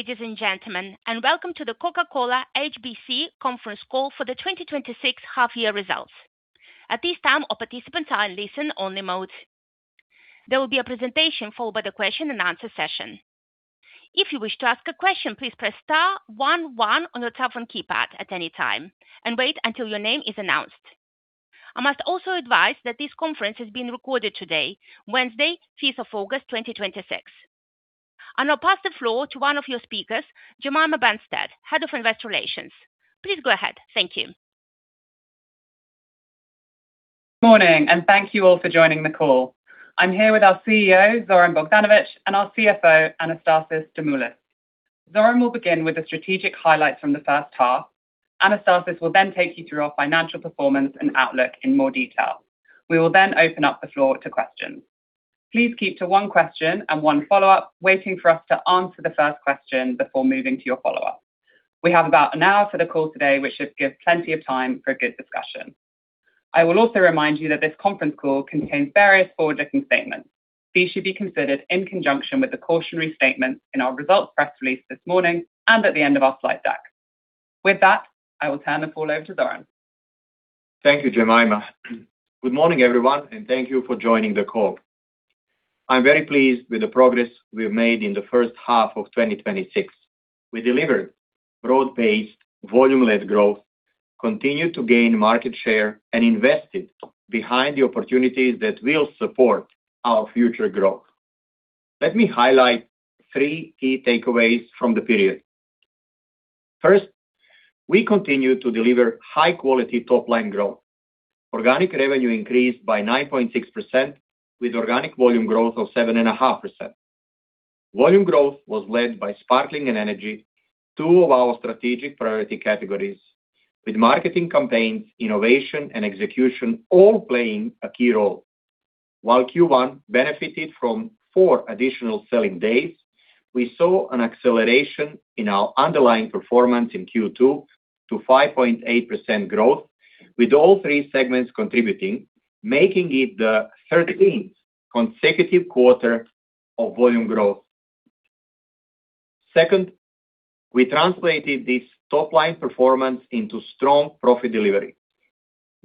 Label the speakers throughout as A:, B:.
A: Ladies and gentlemen, welcome to the Coca-Cola HBC Conference Call for the 2026 Half Year Results. At this time, all participants are in listen only mode. There will be a presentation followed by the question and answer session. If you wish to ask a question, please press star one one on your telephone keypad at any time and wait until your name is announced. I must also advise that this conference is being recorded today, Wednesday, 5th of August 2026. I'll now pass the floor to one of your speakers, Jemima Benstead, Head of Investor Relations. Please go ahead. Thank you.
B: Morning, thank you all for joining the call. I'm here with our CEO, Zoran Bogdanovic, and our CFO, Anastasis Stamoulis. Zoran will begin with the strategic highlights from the first half. Anastasis will take you through our financial performance and outlook in more detail. We will open up the floor to questions. Please keep to one question and one follow-up, waiting for us to answer the first question before moving to your follow-up. We have about an hour for the call today, which should give plenty of time for a good discussion. I will also remind you that this conference call contains various forward-looking statements. These should be considered in conjunction with the cautionary statements in our results press release this morning, and at the end of our slide deck. With that, I will turn the call over to Zoran.
C: Thank you, Jemima. Good morning, everyone, thank you for joining the call. I'm very pleased with the progress we've made in the first half of 2026. We delivered broad-based volume-led growth, continued to gain market share, and invested behind the opportunities that will support our future growth. Let me highlight three key takeaways from the period. First, we continued to deliver high-quality top-line growth. Organic revenue increased by 9.6% with organic volume growth of 7.5%. Volume growth was led by Sparkling and Energy, two of our strategic priority categories with marketing campaigns, innovation, and execution all playing a key role. While Q1 benefited from four additional selling days, we saw an acceleration in our underlying performance in Q2 to 5.8% growth with all three segments contributing, making it the 13th consecutive quarter of volume growth. Second, we translated this top-line performance into strong profit delivery.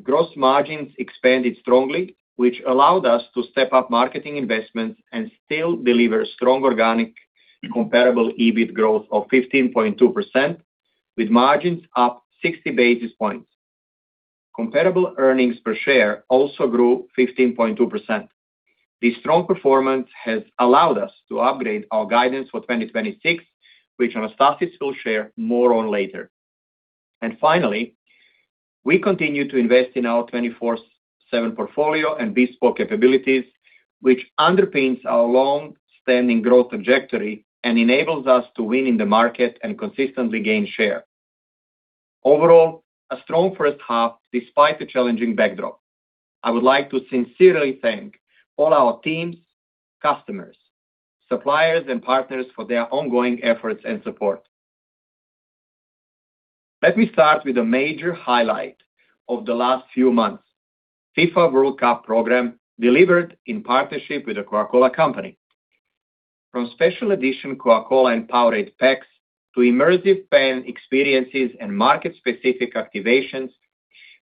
C: Gross margins expanded strongly, which allowed us to step up marketing investments and still deliver strong organic comparable EBIT growth of 15.2% with margins up 60 basis points. Comparable earnings per share also grew 15.2%. This strong performance has allowed us to upgrade our guidance for 2026, which Anastasis will share more on later. Finally, we continue to invest in our 24/7 portfolio and bespoke capabilities, which underpins our long-standing growth trajectory and enables us to win in the market and consistently gain share. Overall, a strong first half despite the challenging backdrop. I would like to sincerely thank all our teams, customers, suppliers, and partners for their ongoing efforts and support. Let me start with a major highlight of the last few months. FIFA World Cup program delivered in partnership with The Coca-Cola Company. From special edition Coca-Cola and Powerade packs to immersive fan experiences and market-specific activations,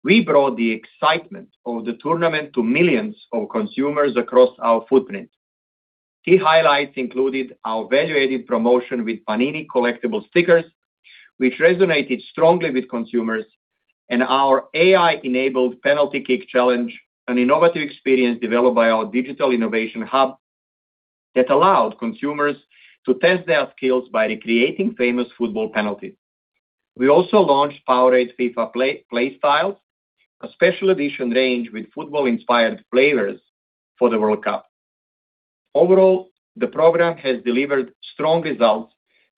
C: we brought the excitement of the tournament to millions of consumers across our footprint. Key highlights included our value-added promotion with Panini collectible stickers, which resonated strongly with consumers, and our AI-enabled penalty kick challenge, an innovative experience developed by our digital innovation hub that allowed consumers to test their skills by recreating famous football penalties. We also launched Powerade FIFA Playstyles, a special edition range with football-inspired flavors for the World Cup. Overall, the program has delivered strong results,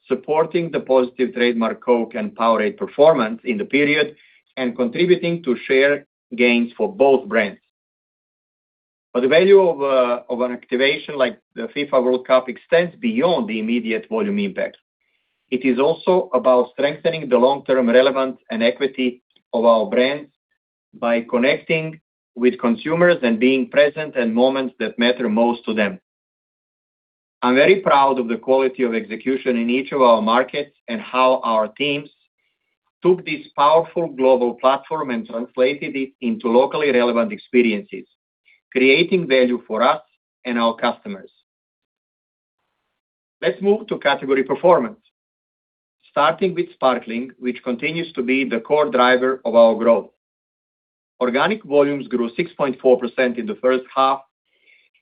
C: supporting the positive trademark Coke and Powerade performance in the period and contributing to share gains for both brands. The value of an activation like the FIFA World Cup extends beyond the immediate volume impact. It is also about strengthening the long-term relevance and equity of our brands by connecting with consumers and being present in moments that matter most to them. I'm very proud of the quality of execution in each of our markets and how our teams took this powerful global platform and translated it into locally relevant experiences, creating value for us and our customers. Let's move to Category performance, starting with Sparkling, which continues to be the core driver of our growth. Organic volumes grew 6.4% in the first half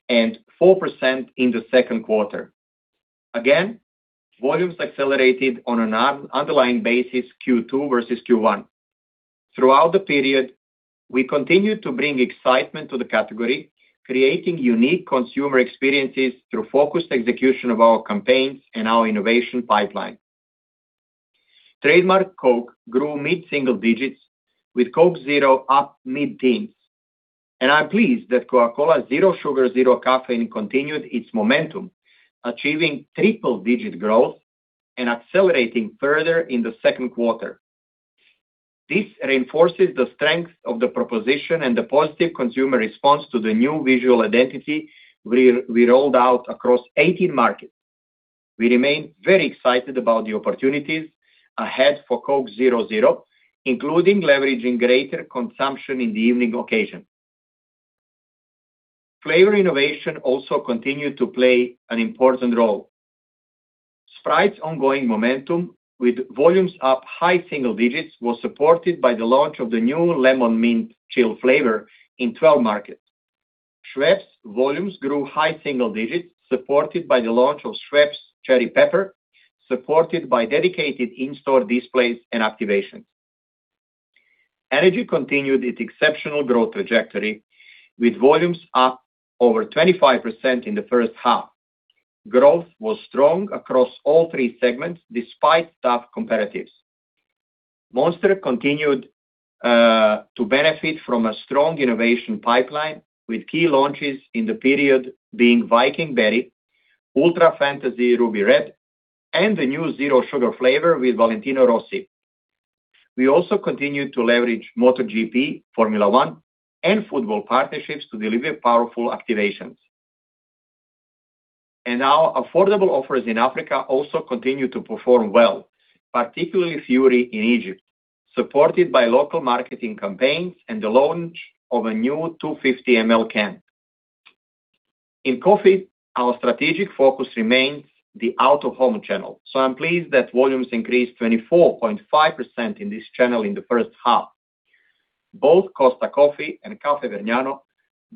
C: and 4% in the second quarter. Again, volumes accelerated on an underlying basis Q2 versus Q1. Throughout the period, we continued to bring excitement to the category, creating unique consumer experiences through focused execution of our campaigns and our innovation pipeline. Trademark Coke grew mid-single digits with Coke Zero up mid-teens. I'm pleased that Coca-Cola Zero Sugar Zero Caffeine continued its momentum, achieving triple digit growth and accelerating further in the second quarter. This reinforces the strength of the proposition and the positive consumer response to the new visual identity we rolled out across 18 markets. We remain very excited about the opportunities ahead for Coke Zero Zero, including leveraging greater consumption in the evening occasion. Flavor innovation also continued to play an important role. Sprite's ongoing momentum with volumes up high single digits was supported by the launch of the new Lemon Mint Chill flavor in 12 markets. Schweppes volumes grew high single digits, supported by the launch of Schweppes Cherry Pepper, supported by dedicated in-store displays and activations. Energy continued its exceptional growth trajectory with volumes up over 25% in the first half. Growth was strong across all three segments despite tough comparatives. Monster continued to benefit from a strong innovation pipeline, with key launches in the period being Viking Berry, Ultra Fantasy Ruby Red, and the new zero sugar flavor with Valentino Rossi. We also continued to leverage MotoGP, Formula 1, and football partnerships to deliver powerful activations. Now affordable offers in Africa also continue to perform well, particularly Fury in Egypt, supported by local marketing campaigns and the launch of a new 250 ml can. In Coffee, our strategic focus remains the out-of-home channel, so I'm pleased that volumes increased 24.5% in this channel in the first half. Both Costa Coffee and Caffè Vergnano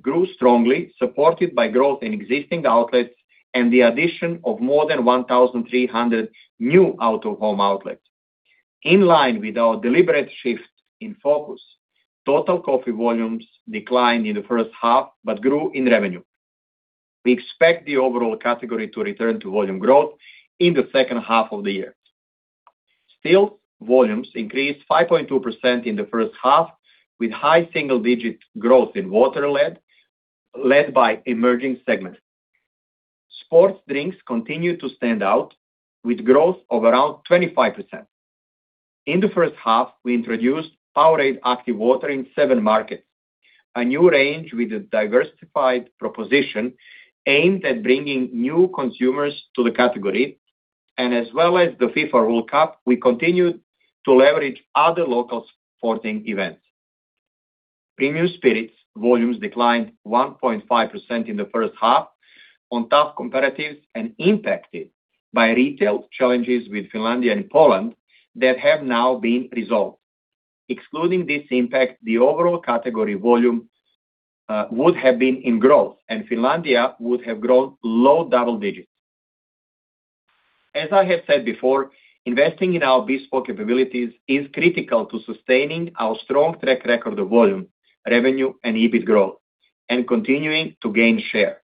C: grew strongly, supported by growth in existing outlets and the addition of more than 1,300 new out-of-home outlets. In line with our deliberate shift in focus, total Coffee volumes declined in the first half but grew in revenue. We expect the overall category to return to volume growth in the second half of the year. Volumes increased 5.2% in the first half, with high single-digit growth in water led by emerging segments. Sports drinks continued to stand out with growth of around 25%. In the first half, we introduced Powerade Active Water in seven markets, a new range with a diversified proposition aimed at bringing new consumers to the category. As well as the FIFA World Cup, we continued to leverage other local sporting events. Premium spirits volumes declined 1.55% in the first half on tough comparatives and impacted by retail challenges with Finlandia in Poland that have now been resolved. Excluding this impact, the overall category volume would have been in growth, Finlandia would have grown low double digits. As I have said before, investing in our bespoke capabilities is critical to sustaining our strong track record of volume, revenue, and EBIT growth and continuing to gain share.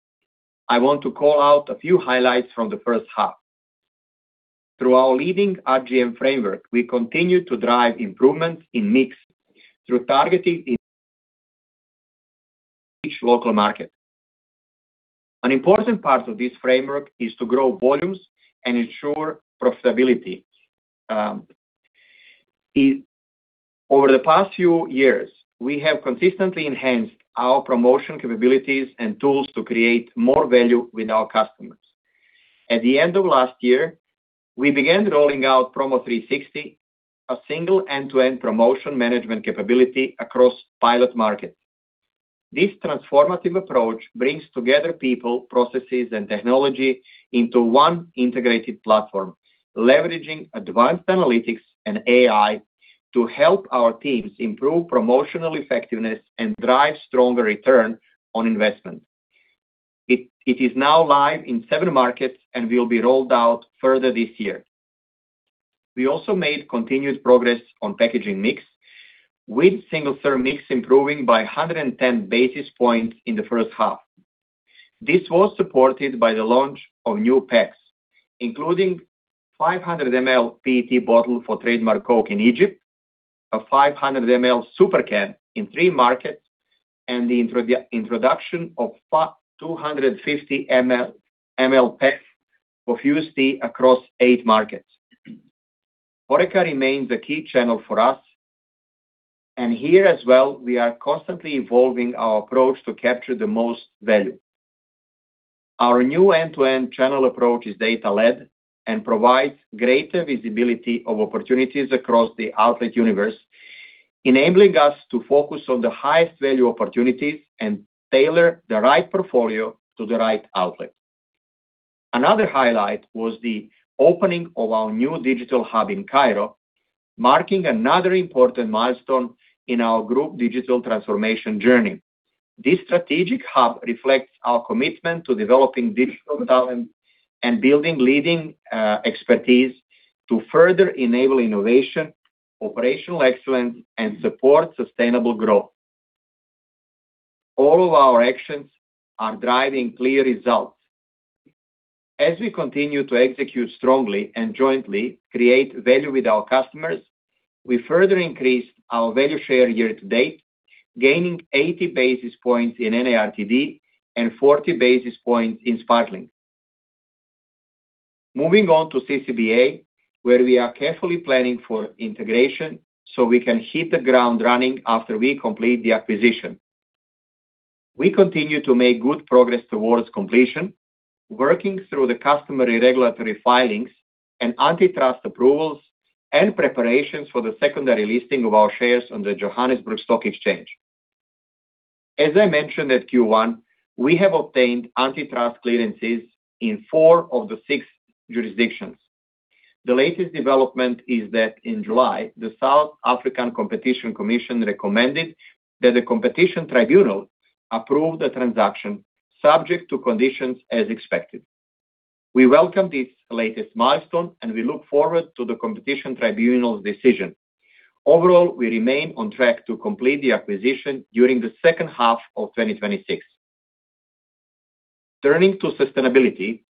C: I want to call out a few highlights from the first half. Through our leading RGM framework, we continue to drive improvements in mix through targeting each local market. An important part of this framework is to grow volumes and ensure profitability. Over the past few years, we have consistently enhanced our promotion capabilities and tools to create more value with our customers. At the end of last year, we began rolling out Promo 360, a single end-to-end promotion management capability across pilot markets. This transformative approach brings together people, processes, and technology into one integrated platform, leveraging advanced analytics and AI to help our teams improve promotional effectiveness and drive stronger return on investment. It is now live in seven markets and will be rolled out further this year. We also made continuous progress on packaging mix, with single-serve mix improving by 110 basis points in the first half. This was supported by the launch of new packs, including 500 ml PET bottle for trademark Coke in Egypt, a 500 ml super can in three markets, the introduction of 250 ml pack of Fuze Tea across eight markets. HoReCa remains a key channel for us. Here as well, we are constantly evolving our approach to capture the most value. Our new end-to-end channel approach is data-led and provides greater visibility of opportunities across the outlet universe, enabling us to focus on the highest value opportunities and tailor the right portfolio to the right outlet. Another highlight was the opening of our new digital hub in Cairo, marking another important milestone in our group digital transformation journey. This strategic hub reflects our commitment to developing digital talent and building leading expertise to further enable innovation, operational excellence, support sustainable growth. All of our actions are driving clear results. As we continue to execute strongly and jointly create value with our customers, we further increased our value share year to date, gaining 80 basis points in NARTD and 40 basis points in Sparkling. Moving on to CCBA, where we are carefully planning for integration so we can hit the ground running after we complete the acquisition. We continue to make good progress towards completion, working through the customary regulatory filings and antitrust approvals and preparations for the secondary listing of our shares on the Johannesburg Stock Exchange. As I mentioned at Q1, we have obtained antitrust clearances in four of the six jurisdictions. The latest development is that in July, the Competition Commission recommended that the Competition Tribunal approve the transaction subject to conditions as expected. We welcome this latest milestone, and we look forward to the Competition Tribunal's decision. Overall, we remain on track to complete the acquisition during the second half of 2026. Turning to sustainability,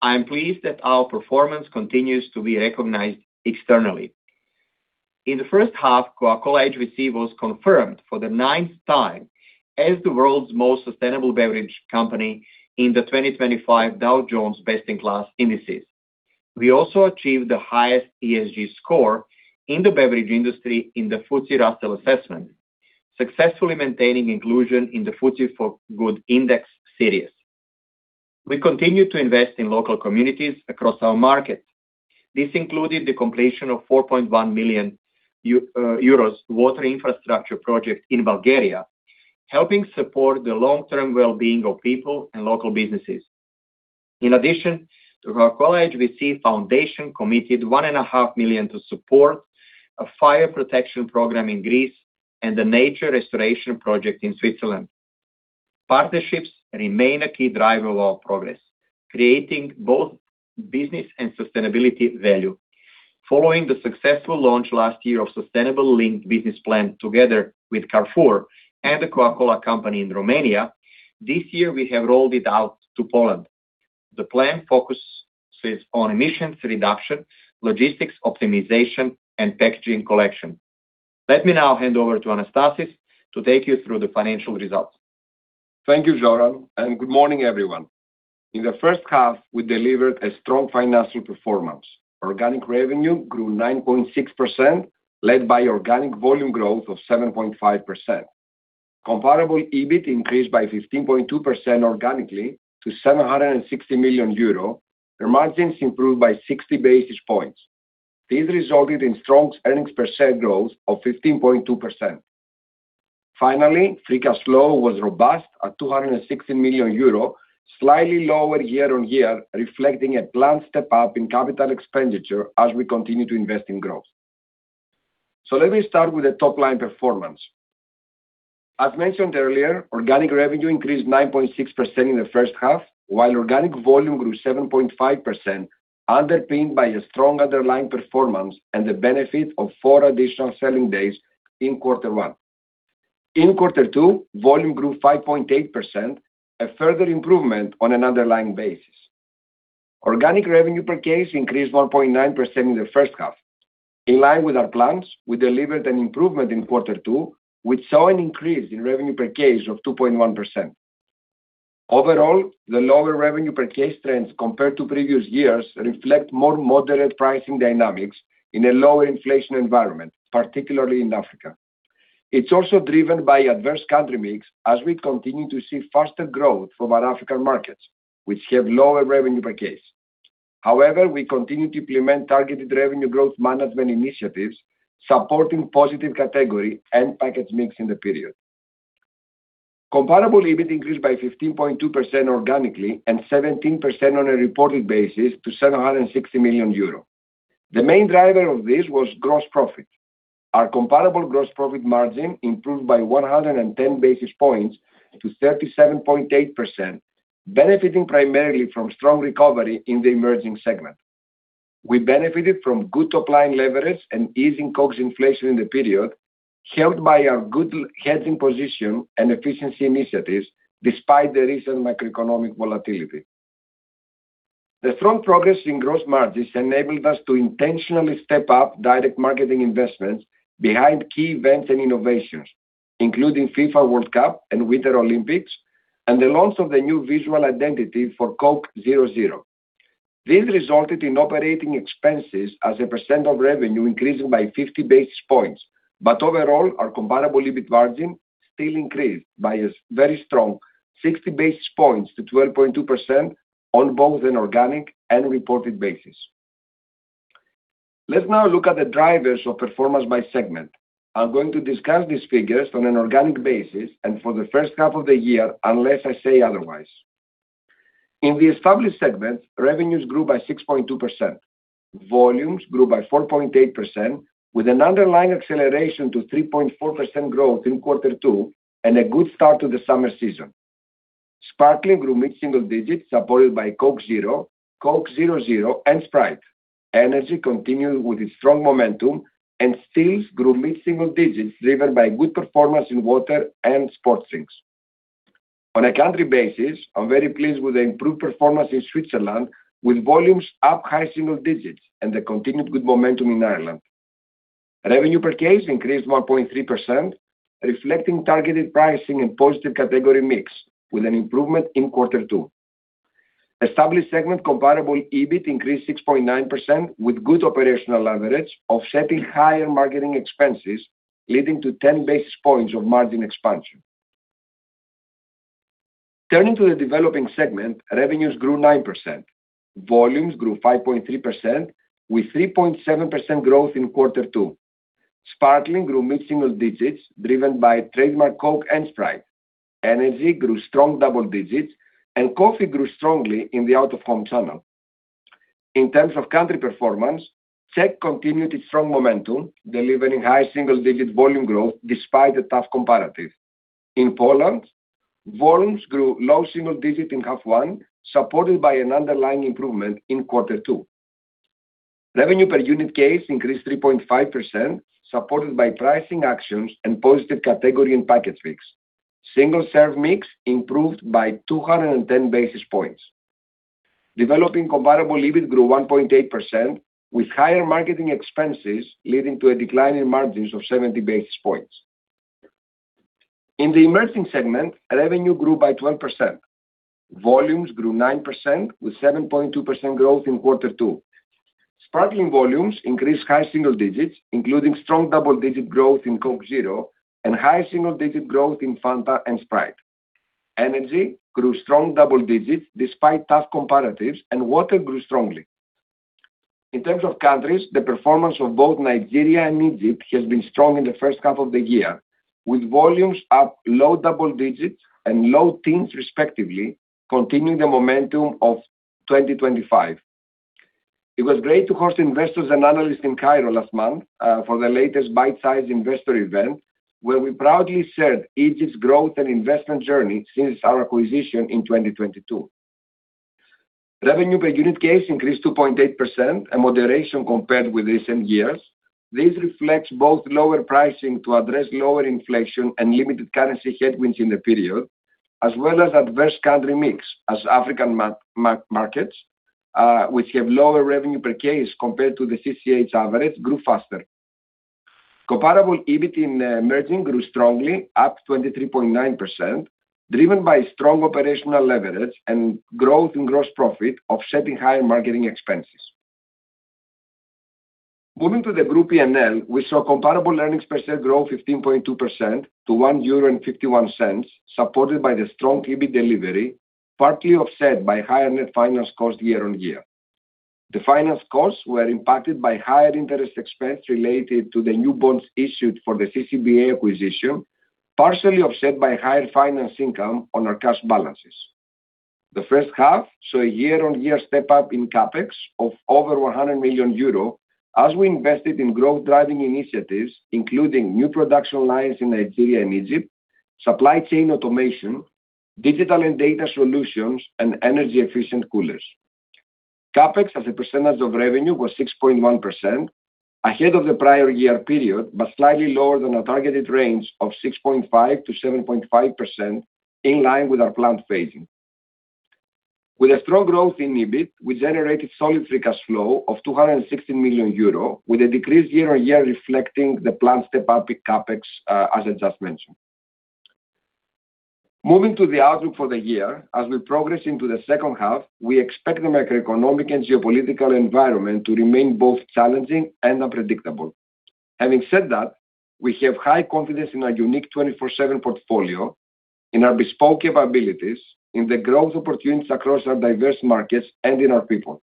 C: I am pleased that our performance continues to be recognized externally. In the first half, Coca-Cola HBC was confirmed for the ninth time as the world's most sustainable beverage company in the 2025 Dow Jones Best in Class indices. We also achieved the highest ESG score in the beverage industry in the FTSE Russell assessment, successfully maintaining inclusion in the FTSE4Good index series. We continue to invest in local communities across our market. This included the completion of 4.1 million euros water infrastructure project in Bulgaria, helping support the long-term well-being of people and local businesses. In addition, The Coca-Cola HBC Foundation committed 1.5 million to support a fire protection program in Greece and a nature restoration project in Switzerland. Partnerships remain a key driver of our progress, creating both business and sustainability value. Following the successful launch last year of sustainable linked business plan together with Carrefour and The Coca-Cola Company in Romania, this year we have rolled it out to Poland. The plan focuses on emissions reduction, logistics optimization, and packaging collection. Let me now hand over to Anastasis to take you through the financial results.
D: Thank you, Zoran, and good morning, everyone. In the first half, we delivered a strong financial performance. Organic revenue grew 9.6%, led by organic volume growth of 7.5%. Comparable EBIT increased by 15.2% organically to 760 million euro. Their margins improved by 60 basis points. This resulted in strong earnings per share growth of 15.2%. Finally, free cash flow was robust at 216 million euro, slightly lower year-over-year, reflecting a planned step up in CapEx as we continue to invest in growth. Let me start with the top-line performance. As mentioned earlier, organic revenue increased 9.6% in the first half, while organic volume grew 7.5%, underpinned by a strong underlying performance and the benefit of four additional selling days in quarter one. In quarter two, volume grew 5.8%, a further improvement on an underlying basis. Organic revenue per case increased 1.9% in the first half. In line with our plans, we delivered an improvement in quarter two, which saw an increase in revenue per case of 2.1%. Overall, the lower revenue per case trends compared to previous years reflect more moderate pricing dynamics in a lower inflation environment, particularly in Africa. It is also driven by adverse country mix as we continue to see faster growth from our African markets, which have lower revenue per case. However, we continue to implement targeted Revenue Growth Management initiatives, supporting positive category and package mix in the period. Comparable EBIT increased by 15.2% organically and 17% on a reported basis to 760 million euro. The main driver of this was gross profit. Our comparable gross profit margin improved by 110 basis points to 37.8%, benefiting primarily from strong recovery in the emerging segment. We benefited from good top-line leverage and easing COGS inflation in the period, helped by our good hedging position and efficiency initiatives despite the recent macroeconomic volatility. The strong progress in gross margins enabled us to intentionally step up direct marketing investments behind key events and innovations, including FIFA World Cup and Winter Olympics, and the launch of the new visual identity for Coke Zero Zero. This resulted in operating expenses as a percent of revenue increasing by 50 basis points. Overall, our comparable EBIT margin still increased by a very strong 60 basis points to 12.2% on both an organic and reported basis. Let's now look at the drivers of performance by segment. I'm going to discuss these figures on an organic basis and for the first half of the year, unless I say otherwise. In the Established segment, revenues grew by 6.2%. Volumes grew by 4.8%, with an underlying acceleration to 3.4% growth in quarter two and a good start to the summer season. Sparkling grew mid-single digits, supported by Coke Zero, Coke Zero Zero, and Sprite. Energy continued with its strong momentum, and Stills grew mid-single digits, driven by good performance in Water and Sports Drinks. On a country basis, I'm very pleased with the improved performance in Switzerland, with volumes up high single digits and the continued good momentum in Ireland. Revenue per case increased 1.3%, reflecting targeted pricing and positive category mix with an improvement in quarter two. Established segment comparable EBIT increased 6.9% with good operational leverage offsetting higher marketing expenses, leading to 10 basis points of margin expansion. Turning to the Developing segment, revenues grew 9%. Volumes grew 5.3% with 3.7% growth in quarter two. Sparkling grew mid-single digits driven by trademark Coke and Sprite. Energy grew strong double digits, and Coffee grew strongly in the out-of-home channel. In terms of country performance, Czech continued its strong momentum, delivering high single-digit volume growth despite a tough comparative. In Poland, volumes grew low single digit in half one, supported by an underlying improvement in quarter two. Revenue per unit case increased 3.5%, supported by pricing actions and positive category and package mix. Single-serve mix improved by 210 basis points. Developing comparable EBIT grew 1.8% with higher marketing expenses, leading to a decline in margins of 70 basis points. In the Emerging segment, revenue grew by 12%. Volumes grew 9% with 7.2% growth in quarter two. Sparkling volumes increased high single digits, including strong double-digit growth in Coke Zero and high single-digit growth in Fanta and Sprite. Energy grew strong double digits despite tough comparatives, and Water grew strongly. In terms of countries, the performance of both Nigeria and Egypt has been strong in the first half of the year, with volumes up low double digits and low teens respectively, continuing the momentum of 2025. It was great to host investors and analysts in Cairo last month for the latest bite-sized investor event, where we proudly shared Egypt's growth and investment journey since our acquisition in 2022. Revenue per unit case increased 2.8%, a moderation compared with recent years. This reflects both lower pricing to address lower inflation and limited currency headwinds in the period, as well as adverse country mix as African markets which have lower revenue per case compared to the CCH average grew faster. Comparable EBIT in Emerging grew strongly, up 23.9%, driven by strong operational leverage and growth in gross profit offsetting higher marketing expenses. Moving to the group P&L, we saw comparable earnings per share grow 15.2% to 1.51 euro, supported by the strong EBIT delivery, partly offset by higher net finance cost year-on-year. The finance costs were impacted by higher interest expense related to the new bonds issued for the CCBA acquisition, partially offset by higher finance income on our cash balances. The first half saw a year-on-year step-up in CapEx of over 100 million euro as we invested in growth-driving initiatives, including new production lines in Nigeria and Egypt, supply chain automation, digital and data solutions, and energy-efficient coolers. CapEx as a percentage of revenue was 6.1% ahead of the prior year period, but slightly lower than our targeted range of 6.5%-7.5% in line with our planned phasing. With a strong growth in EBIT, we generated solid free cash flow of 216 million euro with a decrease year-on-year reflecting the planned step-up in CapEx as I just mentioned. Moving to the outlook for the year, as we progress into the second half, we expect the macroeconomic and geopolitical environment to remain both challenging and unpredictable. Having said that, we have high confidence in our unique 24/7 portfolio, in our bespoke capabilities, in the growth opportunities across our diverse markets, and in our people.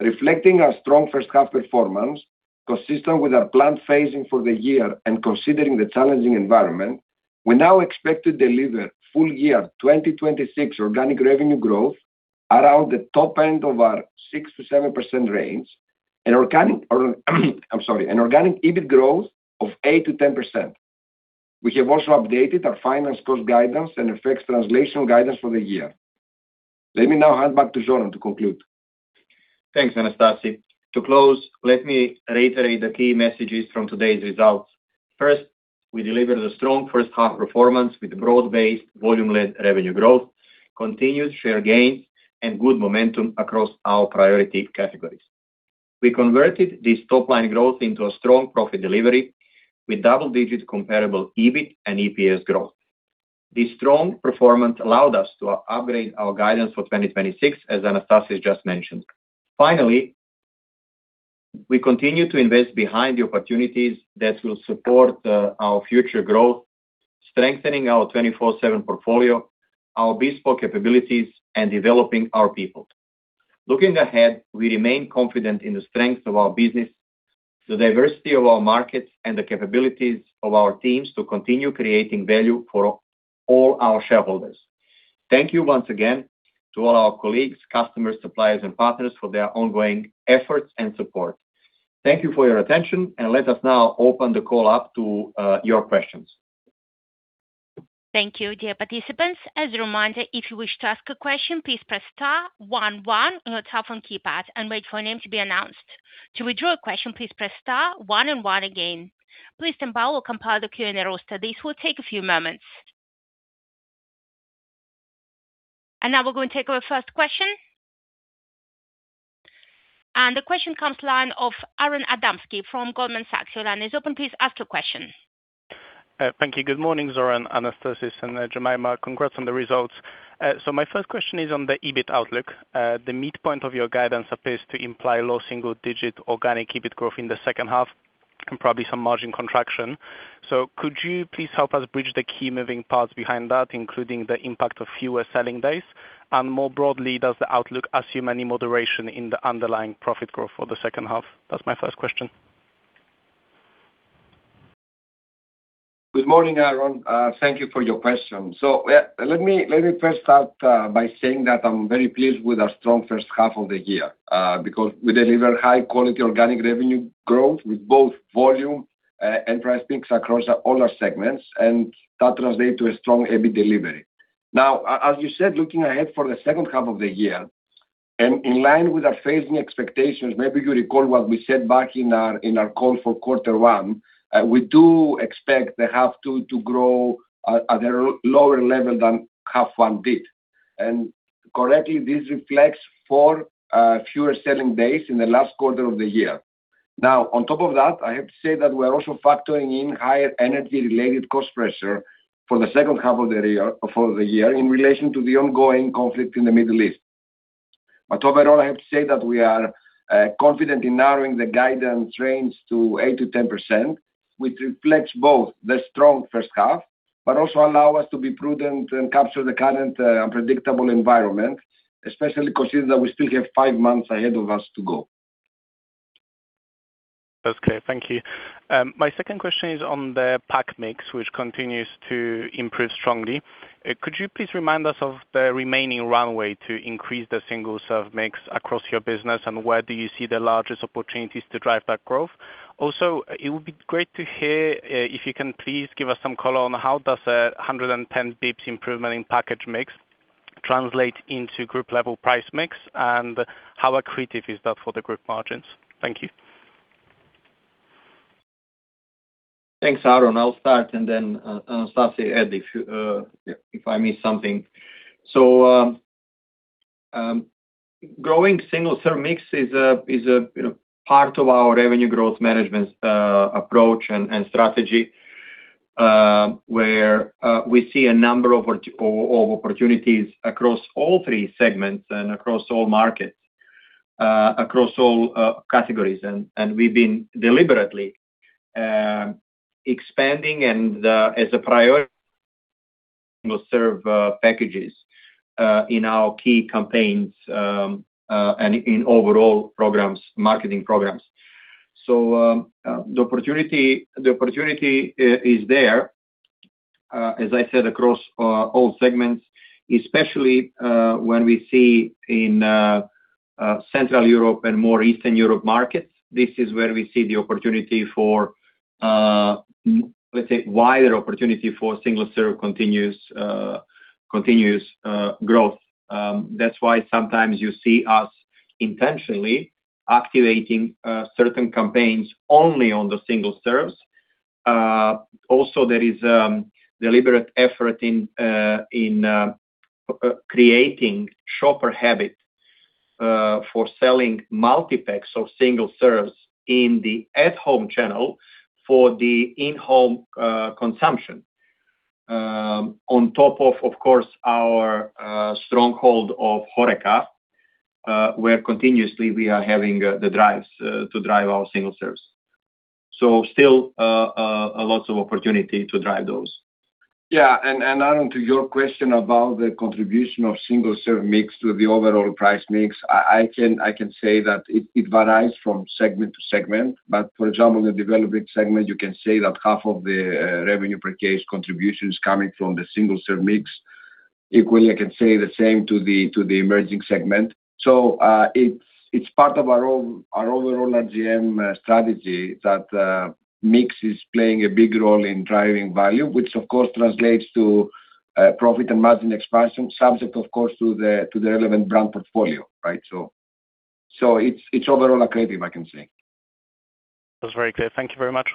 D: Reflecting our strong first-half performance consistent with our planned phasing for the year and considering the challenging environment, we now expect to deliver full year 2026 organic revenue growth around the top end of our 6%-7% range, and organic EBIT growth of 8%-10%. We have also updated our finance cost guidance and FX translation guidance for the year. Let me now hand back to Zoran to conclude.
C: Thanks, Anastasis. To close, let me reiterate the key messages from today's results. First, we delivered a strong first-half performance with broad-based volume-led revenue growth, continued share gains, and good momentum across our priority categories. We converted this top-line growth into a strong profit delivery with double-digit comparable EBIT and EPS growth. This strong performance allowed us to upgrade our guidance for 2026, as Anastasis just mentioned. Finally, we continue to invest behind the opportunities that will support our future growth, strengthening our 24/7 portfolio, our bespoke capabilities, and developing our people. Looking ahead, we remain confident in the strength of our business, the diversity of our markets, and the capabilities of our teams to continue creating value for all our shareholders. Thank you once again to all our colleagues, customers, suppliers, and partners for their ongoing efforts and support. Thank you for your attention. Let us now open the call up to your questions.
A: Thank you, dear participants. As a reminder, if you wish to ask a question, please press star one one on your telephone keypad and wait for your name to be announced. To withdraw a question, please press star one and one again. Please stand by while we compile the Q&A roster. This will take a few moments. Now we're going to take our first question. The question comes line of Aron Adamski from Goldman Sachs. Your line is open, please ask your question.
E: Thank you. Good morning, Zoran, Anastasis, and Jemima. Congrats on the results. My first question is on the EBIT outlook. The midpoint of your guidance appears to imply low single-digit organic EBIT growth in the second half and probably some margin contraction. Could you please help us bridge the key moving parts behind that, including the impact of fewer selling days? More broadly, does the outlook assume any moderation in the underlying profit growth for the second half? That's my first question.
D: Good morning, Aron. Thank you for your question. Let me first start by saying that I'm very pleased with our strong first half of the year, because we delivered high-quality organic revenue growth with both volume and price mix across all our segments, and that translate to a strong EBIT delivery. As you said, looking ahead for the second half of the year, in line with our phasing expectations, maybe you recall what we said back in our call for quarter one, we do expect the half two to grow at a lower level than half one did. Correctly, this reflects four fewer selling days in the last quarter of the year. On top of that, I have to say that we're also factoring in higher energy-related cost pressure for the second half of the year in relation to the ongoing conflict in the Middle East. Overall, I have to say that we are confident in narrowing the guidance range to 8%-10%, which reflects both the strong first half, also allow us to be prudent and capture the current unpredictable environment, especially considering that we still have five months ahead of us to go.
E: That's clear. Thank you. My second question is on the pack mix, which continues to improve strongly. Could you please remind us of the remaining runway to increase the single-serve mix across your business? Where do you see the largest opportunities to drive that growth? It would be great to hear if you can please give us some color on how does 110 bps improvement in package mix translate into group-level price mix, how accretive is that for the group margins? Thank you.
C: Thanks, Aron. I'll start and then Anastasis add if I miss something. Growing single-serve mix is a part of our revenue growth management approach and strategy, where we see a number of opportunities across all three segments and across all markets, across all categories. We've been deliberately expanding and as a priority will serve packages in our key campaigns, and in overall marketing programs. The opportunity is there, as I said, across all segments, especially when we see in Central Europe and more Eastern Europe markets, this is where we see the opportunity for, let's say, wider opportunity for single-serve continuous growth. That's why sometimes you see us intentionally activating certain campaigns only on the single serves. There is deliberate effort in creating shopper habit for selling multipacks of single serves in the at-home channel for the in-home consumption. On top of course, our stronghold of HoReCa, where continuously we are having the drives to drive our single serves. Still lots of opportunity to drive those.
D: Yeah. Aron, to your question about the contribution of single-serve mix to the overall price mix, I can say that it varies from segment to segment. For example, in the developing segment, you can say that half of the revenue per case contribution is coming from the single-serve mix. Equally, I can say the same to the emerging segment. It's part of our overall RGM strategy that mix is playing a big role in driving value, which of course translates to profit and margin expansion, subject of course to the relevant brand portfolio. Right? It's overall accretive, I can say.
E: That's very clear. Thank you very much.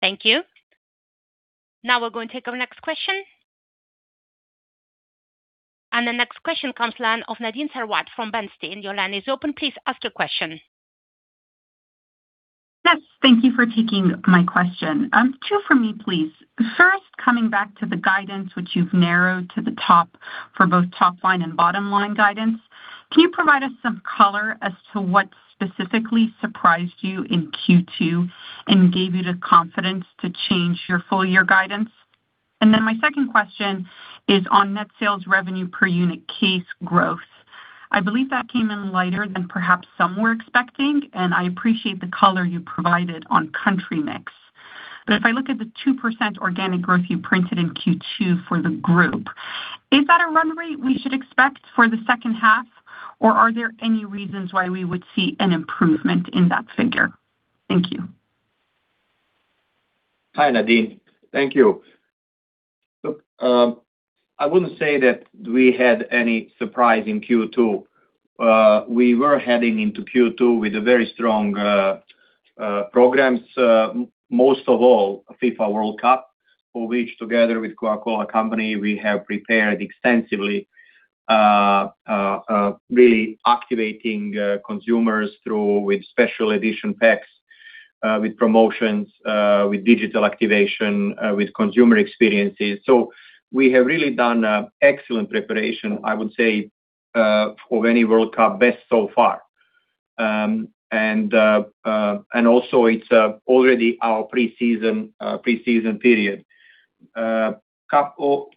A: Thank you. Now we're going to take our next question. The next question comes line of Nadine Sarwat from Bernstein. Your line is open. Please ask your question.
F: Yes. Thank you for taking my question. Two for me, please. First, coming back to the guidance which you've narrowed to the top for both top line and bottom line guidance, can you provide us some color as to what specifically surprised you in Q2 and gave you the confidence to change your full year guidance? My second question is on net sales revenue per unit case growth. I believe that came in lighter than perhaps some were expecting, and I appreciate the color you provided on country mix. If I look at the 2% organic growth you printed in Q2 for the group, is that a run rate we should expect for the second half, or are there any reasons why we would see an improvement in that figure? Thank you.
C: Hi, Nadine. Thank you. I wouldn't say that we had any surprise in Q2. We were heading into Q2 with a very strong programs, most of all, FIFA World Cup, for which together with The Coca-Cola Company, we have prepared extensively, really activating consumers with special edition packs, with promotions, with digital activation, with consumer experiences. We have really done excellent preparation, I would say, of any World Cup best so far. It's already our pre-season period. Coupled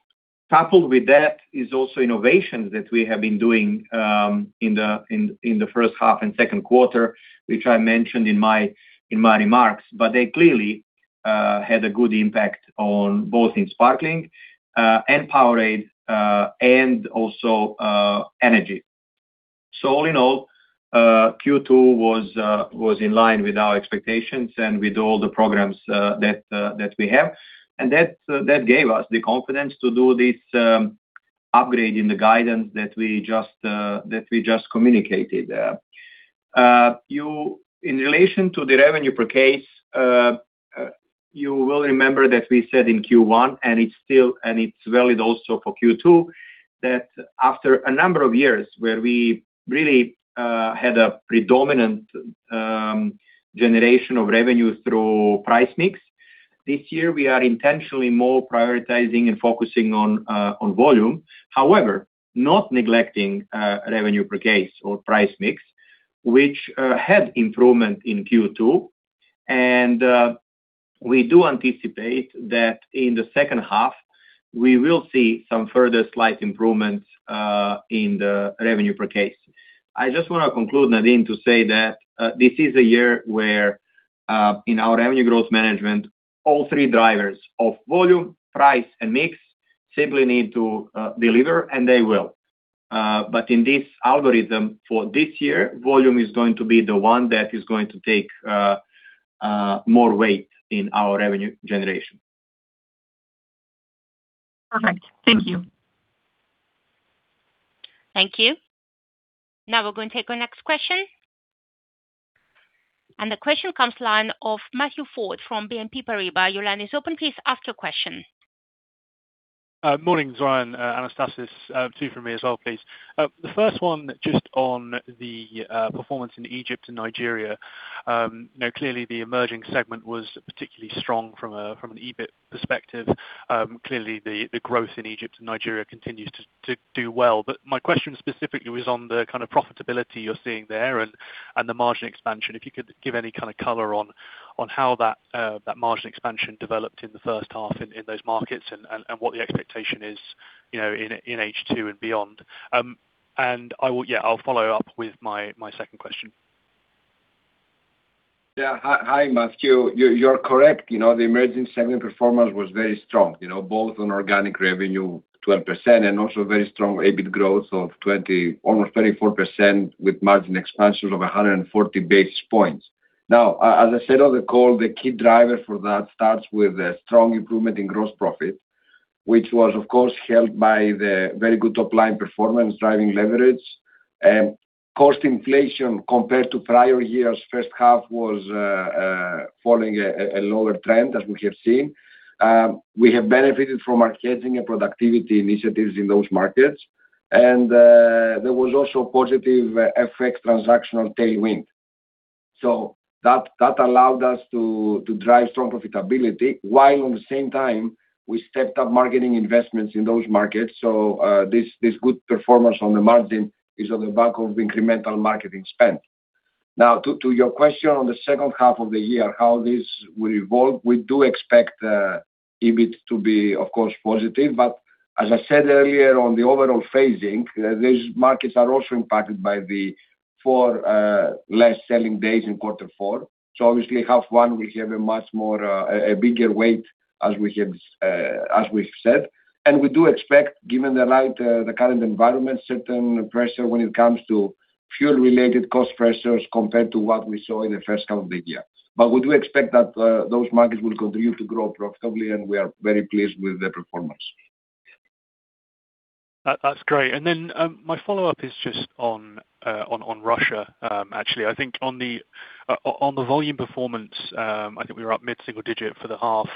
C: with that is also innovations that we have been doing in the first half and second quarter, which I mentioned in my remarks, but they clearly had a good impact both in Sparkling and Powerade, and also Energy. All in all, Q2 was in line with our expectations and with all the programs that we have. That gave us the confidence to do this upgrade in the guidance that we just communicated there. In relation to the revenue per case, you will remember that we said in Q1, and it's valid also for Q2, that after a number of years where we really had a predominant generation of revenue through price mix, this year, we are intentionally more prioritizing and focusing on volume. Not neglecting revenue per case or price mix, which had improvement in Q2. We do anticipate that in the second half, we will see some further slight improvements in the revenue per case. I just want to conclude, Nadine, to say that this is a year where, in our revenue growth management, all three drivers of volume, price, and mix simply need to deliver, and they will. In this algorithm for this year, volume is going to be the one that is going to take more weight in our revenue generation.
F: Perfect. Thank you.
A: Thank you. We're going to take our next question. The question comes line of Matthew Ford from BNP Paribas. Your line is open. Please ask your question.
G: Morning, Zoran, Anastasis. Two from me as well, please. The first one just on the performance in Egypt and Nigeria. Clearly the emerging segment was particularly strong from an EBIT perspective. Clearly the growth in Egypt and Nigeria continues to do well. My question specifically was on the profitability you're seeing there and the margin expansion. If you could give any color on how that margin expansion developed in the first half in those markets and what the expectation is in H2 and beyond. I'll follow up with my second question.
D: Hi, Matthew. You're correct. The emerging segment performance was very strong, both on organic revenue, 12%, and also very strong EBIT growth of almost 34% with margin expansion of 140 basis points. As I said on the call, the key driver for that starts with a strong improvement in gross profit, which was of course helped by the very good top line performance driving leverage. Cost inflation compared to prior years' first half was following a lower trend as we have seen. We have benefited from our scheduling and productivity initiatives in those markets. There was also positive effect transactional tailwind. That allowed us to drive strong profitability while at the same time we stepped up marketing investments in those markets. This good performance on the margin is on the back of incremental marketing spend. To your question on the second half of the year, how this will evolve, we do expect EBIT to be, of course, positive. As I said earlier on the overall phasing, these markets are also impacted by the four less selling days in quarter four. Obviously half one will have a bigger weight as we've said. We do expect, given the current environment, certain pressure when it comes to fuel related cost pressures compared to what we saw in the first half of the year. We do expect that those markets will continue to grow profitably, and we are very pleased with the performance.
G: That's great. My follow-up is just on Russia. Actually, I think on the volume performance, I think we were up mid-single digit for the half.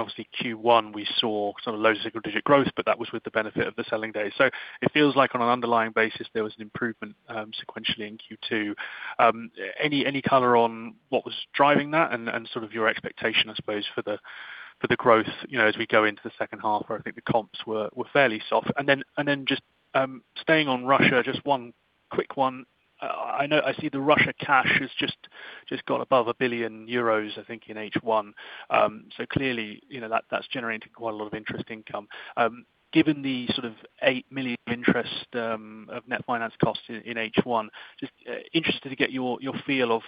G: Obviously Q1 we saw low single digit growth, but that was with the benefit of the selling day. It feels like on an underlying basis, there was an improvement sequentially in Q2. Any color on what was driving that and your expectation, I suppose, for the growth as we go into the second half where I think the comps were fairly soft. Just staying on Russia, just one quick one. I see the Russia cash has just gone above 1 billion euros, I think, in H1. Clearly, that's generating quite a lot of interest income. Given the sort of 8 million of net finance costs in H1, just interested to get your feel of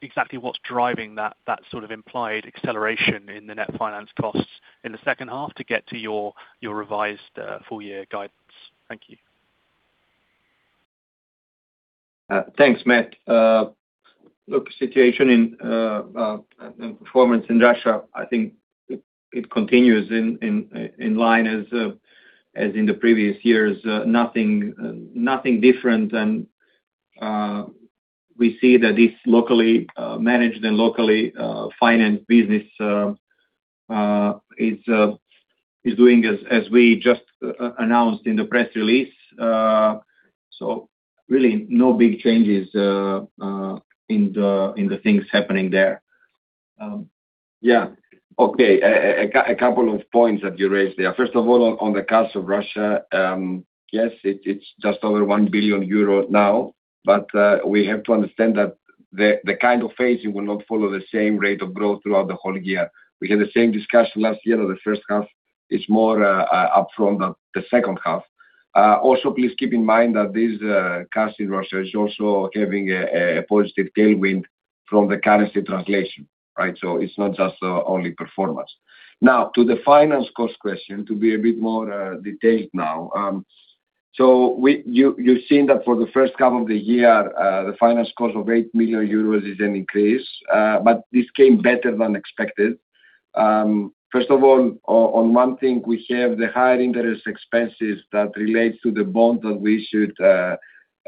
G: exactly what's driving that sort of implied acceleration in the net finance costs in the second half to get to your revised full year guidance. Thank you.
C: Thanks, Matt. Look, situation in performance in Russia, I think it continues in line as in the previous years. Nothing different. We see that this locally managed and locally financed business is doing as we just announced in the press release. Really no big changes in the things happening there.
D: Yeah. Okay. A couple of points that you raised there. First of all, on the cash of Russia. Yes, it's just over 1 billion euro now, but we have to understand that the kind of phasing will not follow the same rate of growth throughout the whole year. We had the same discussion last year that the first half is more upfront than the second half. Please keep in mind that this cash in Russia is also having a positive tailwind from the currency translation, right? It's not just only performance. Now, to the finance cost question, to be a bit more detailed now. You've seen that for the first half of the year, the finance cost of 8 million euros is an increase, but this came better than expected. First of all, on one thing, we have the higher interest expenses that relates to the bond that we issued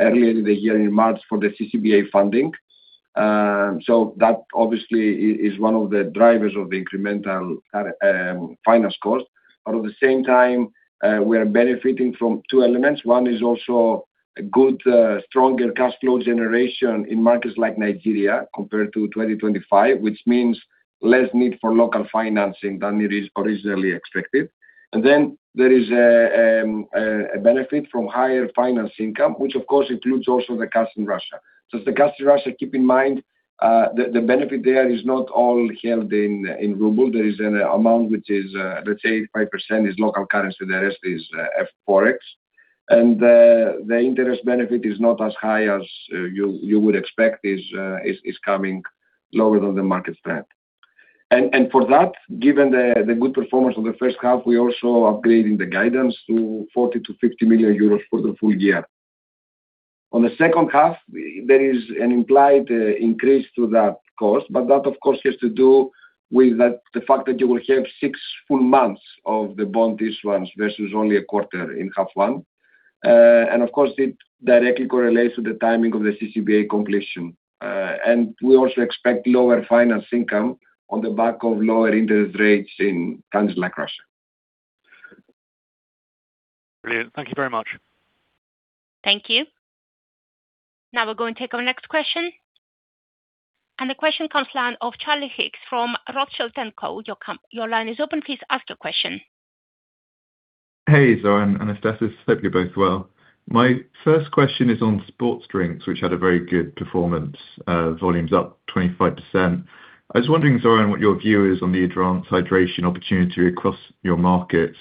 D: earlier in the year in March for the CCBA funding. That obviously is one of the drivers of the incremental finance cost. At the same time, we are benefiting from two elements. One is also a good, stronger cash flow generation in markets like Nigeria compared to 2025, which means less need for local financing than it is originally expected. There is a benefit from higher finance income, which, of course, includes also the cash in Russia. It's the cash in Russia, keep in mind, the benefit there is not all held in ruble. There is an amount which is, let's say, 5% is local currency, the rest is Forex. The interest benefit is not as high as you would expect. It's coming lower than the market trend. For that, given the good performance of the first half, we're also upgrading the guidance to 40 million-50 million euros for the full year. On the second half, there is an implied increase to that cost. That, of course, has to do with the fact that you will have six full months of the bond issuance versus only a quarter in half one. It directly correlates to the timing of the CCBA completion. We also expect lower finance income on the back of lower interest rates in countries like Russia.
G: Brilliant. Thank you very much.
A: Thank you. Now we'll go and take our next question. The question comes line of Charlie Higgs from Rothschild & Co. Your line is open. Please ask your question.
H: Hey, Zoran, Anastasis. Hope you're both well. My first question is on sports drinks, which had a very good performance, volumes up 25%. I was wondering, Zoran, what your view is on the advanced hydration opportunity across your markets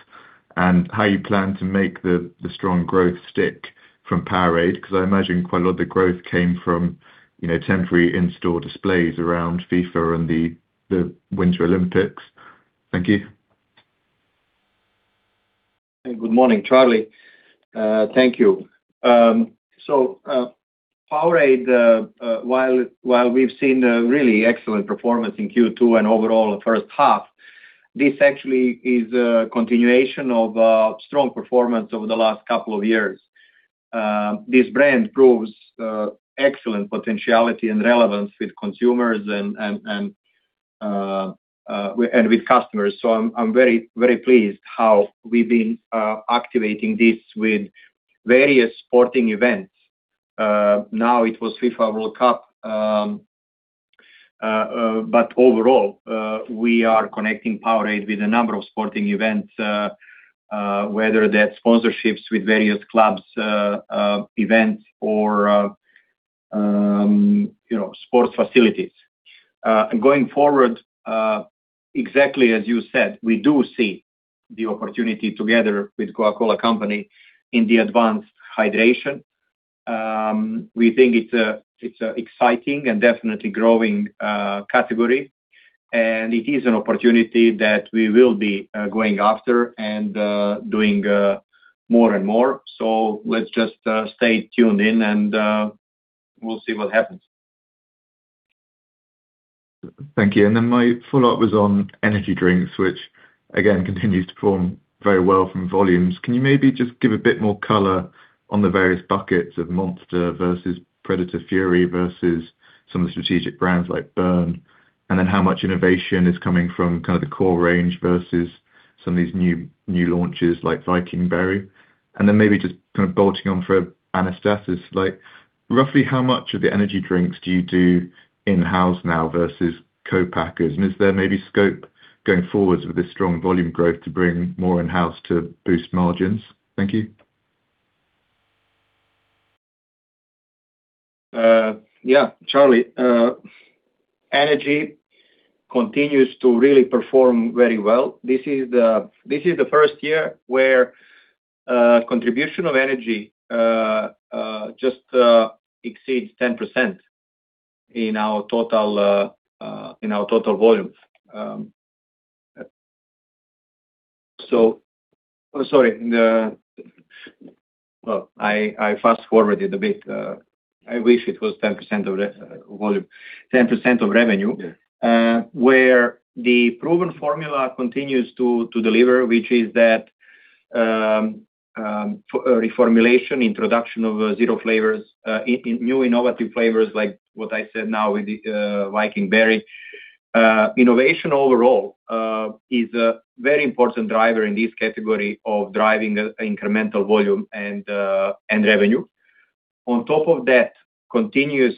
H: and how you plan to make the strong growth stick from Powerade? Because I imagine quite a lot of the growth came from temporary in-store displays around FIFA and the Winter Olympics. Thank you.
C: Good morning, Charlie. Thank you. Powerade, while we've seen a really excellent performance in Q2 and overall the first half, this actually is a continuation of strong performance over the last couple of years. This brand proves excellent potentiality and relevance with consumers and with customers. I'm very pleased how we've been activating this with various sporting events. Now it was FIFA World Cup. Overall, we are connecting Powerade with a number of sporting events, whether that's sponsorships with various clubs, events, or sports facilities. Going forward, exactly as you said, we do see the opportunity together with Coca-Cola Company in the advanced hydration. We think it's an exciting and definitely growing category, and it is an opportunity that we will be going after and doing more and more. Let's just stay tuned in and we'll see what happens.
H: Thank you. My follow-up was on energy drinks, which again continues to perform very well from volumes. Can you maybe just give a bit more color on the various buckets of Monster versus Predator and Fury versus some of the strategic brands like Burn? How much innovation is coming from kind of the core range versus some of these new launches like Viking Berry? Maybe just kind of bolting on for Anastasis, roughly how much of the energy drinks do you do in-house now versus co-packers? Is there maybe scope going forwards with this strong volume growth to bring more in-house to boost margins? Thank you.
C: Yeah. Charlie, energy continues to really perform very well. This is the first year where contribution of energy just exceeds 10% in our total volumes. I'm sorry. Well, I fast-forwarded a bit. I wish it was 10% of revenue.
D: Yeah.
C: Where the proven formula continues to deliver, which is that reformulation, introduction of zero flavors, new innovative flavors like what I said now with the Viking Berry. Innovation overall is a very important driver in this category of driving incremental volume and revenue. On top of that, continuous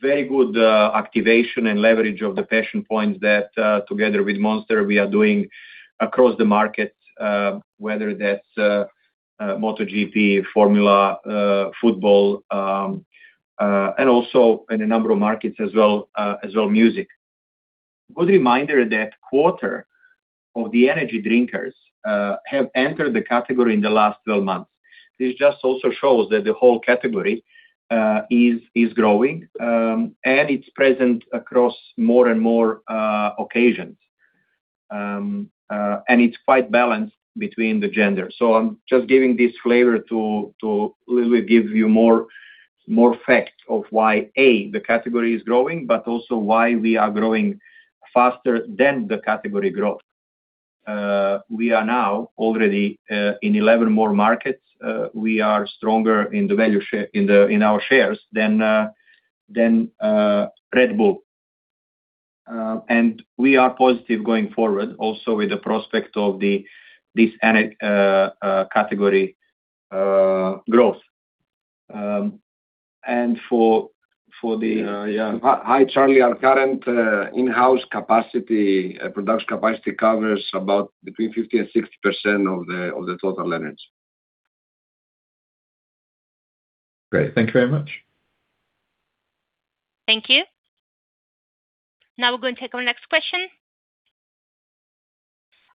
C: very good activation and leverage of the passion points that together with Monster, we are doing across the market, whether that's MotoGP, Formula, football, and also in a number of markets as well, music. Good reminder that quarter of the energy drinkers have entered the category in the last 12 months. This just also shows that the whole category is growing, and it's present across more and more occasions. It's quite balanced between the gender. I'm just giving this flavor to literally give you more facts of why, A, the category is growing, but also why we are growing faster than the category growth. We are now already in 11 more markets. We are stronger in our shares than Red Bull. We are positive going forward also with the prospect of this category growth.
D: Hi, Charlie. Our current in-house production capacity covers about between 50% and 60% of the total energy.
H: Great. Thank you very much.
A: Thank you. We're going to take our next question.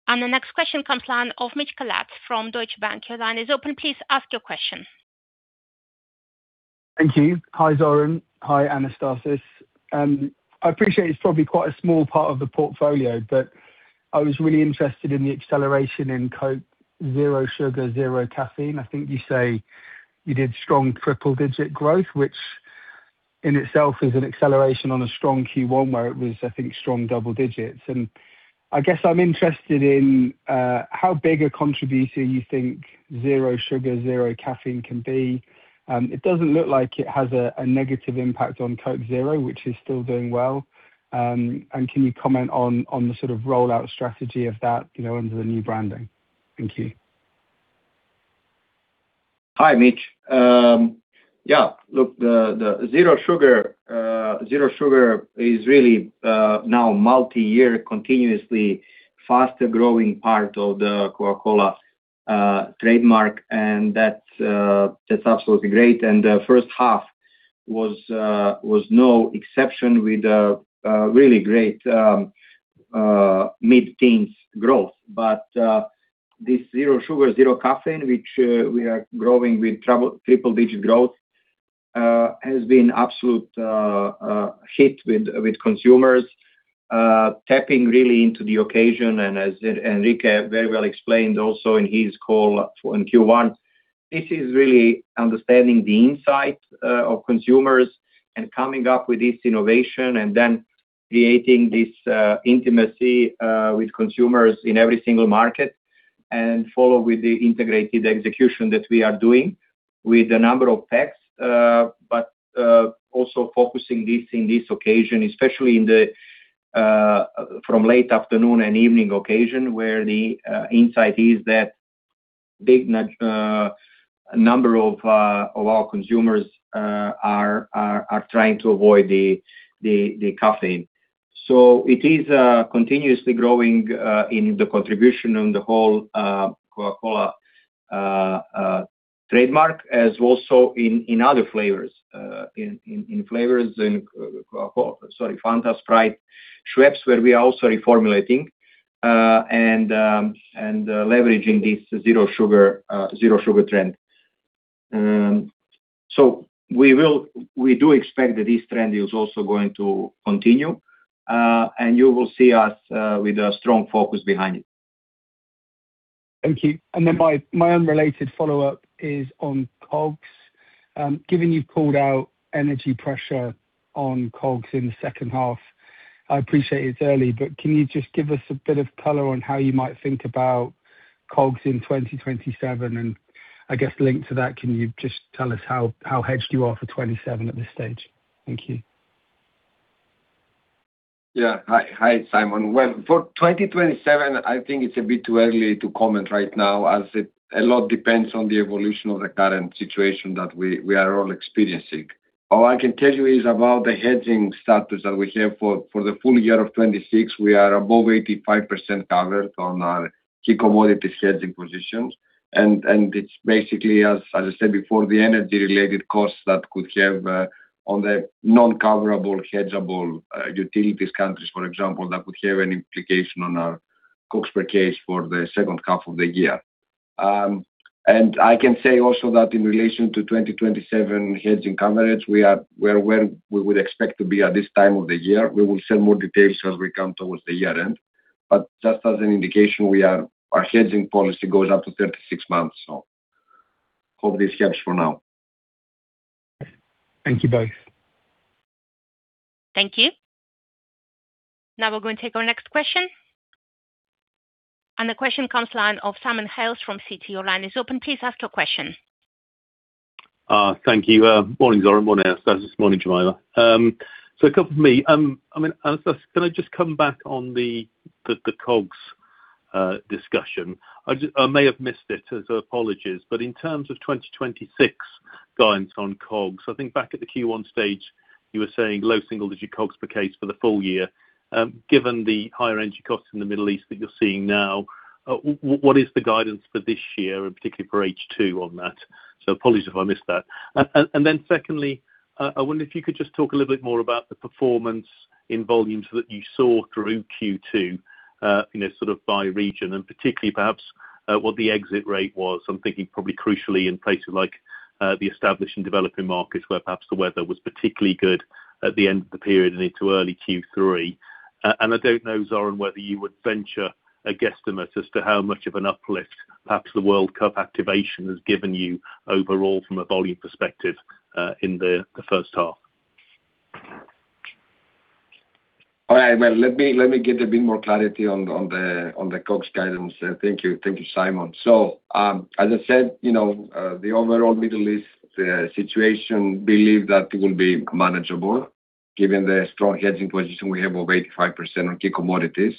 A: The next question comes the line of Mitch Collett from Deutsche Bank. Your line is open, please ask your question.
I: Thank you. Hi, Zoran. Hi, Anastasis. I appreciate it's probably quite a small part of the portfolio, but I was really interested in the acceleration in Coke Zero Sugar, Zero Caffeine. I think you say you did strong triple-digit growth, which in itself is an acceleration on a strong Q1 where it was, I think, strong double-digits. I guess I'm interested in how big a contributor you think Zero Sugar, Zero Caffeine can be. It doesn't look like it has a negative impact on Coke Zero, which is still doing well. Can you comment on the sort of rollout strategy of that under the new branding? Thank you.
C: Hi, Mitch. Yeah, look, the Zero Sugar is really now multiyear, continuously faster-growing part of the Coca-Cola trademark, that's absolutely great. The first half was no exception with a really great mid-teens growth. This Zero Sugar, Zero Caffeine, which we are growing with triple-digit growth has been absolute hit with consumers, tapping really into the occasion. As Enrique very well explained also in his call in Q1, this is really understanding the insight of consumers and coming up with this innovation and then creating this intimacy with consumers in every single market, follow with the integrated execution that we are doing with a number of packs, also focusing this in this occasion, especially from late afternoon and evening occasion, where the insight is that big number of our consumers are trying to avoid the caffeine. It is continuously growing in the contribution on the whole Coca-Cola trademark as also in other flavors. In flavors in Coca-Cola, sorry, Fanta, Sprite, Schweppes, where we are also reformulating and leveraging this zero sugar trend. We do expect that this trend is also going to continue, and you will see us with a strong focus behind it.
I: Thank you. My unrelated follow-up is on COGS. Given you've called out energy pressure on COGS in the second half, I appreciate it's early, but can you just give us a bit of color on how you might think about COGS in 2027? I guess linked to that, can you just tell us how hedged you are for 2027 at this stage? Thank you.
D: Yeah. Hi, it's Stamoulis. For 2027, I think it's a bit too early to comment right now as a lot depends on the evolution of the current situation that we are all experiencing. All I can tell you is about the hedging status that we have for the full year of 2026. We are above 85% covered on our key commodities hedging positions, and it's basically, as I said before, the energy-related costs that could have on the non-coverable, hedgeable utilities countries, for example, that would have an implication on our COGS per case for the second half of the year. I can say also that in relation to 2027 hedging coverage, we are where we would expect to be at this time of the year. We will share more details as we come towards the year-end. Just as an indication, our hedging policy goes up to 36 months. Hope this helps for now.
I: Thank you both.
A: Thank you. Now we're going to take our next question. The question comes line of Simon Hales from Citi. Line is open, please ask your question.
J: Thank you. Morning, Zoran. Morning, Anastasis. Morning, Jemima. A couple for me. Anastasis, can I just come back on the COGS discussion? I may have missed it, apologies, but in terms of 2026 guidance on COGS, I think back at the Q1 stage, you were saying low single-digit COGS per case for the full year. Given the higher energy costs in the Middle East that you're seeing now, what is the guidance for this year and particularly for H2 on that? Apologies if I missed that. Secondly, I wonder if you could just talk a little bit more about the performance in volumes that you saw through Q2, by region and particularly perhaps what the exit rate was. I'm thinking probably crucially in places like the established and developing markets where perhaps the weather was particularly good at the end of the period and into early Q3. I don't know, Zoran, whether you would venture a guesstimate as to how much of an uplift perhaps the World Cup activation has given you overall from a volume perspective in the first half.
D: All right. Well, let me give a bit more clarity on the COGS guidance. Thank you, Simon. As I said, the overall Middle East situation, believe that it will be manageable given the strong hedging position we have of 85% on key commodities.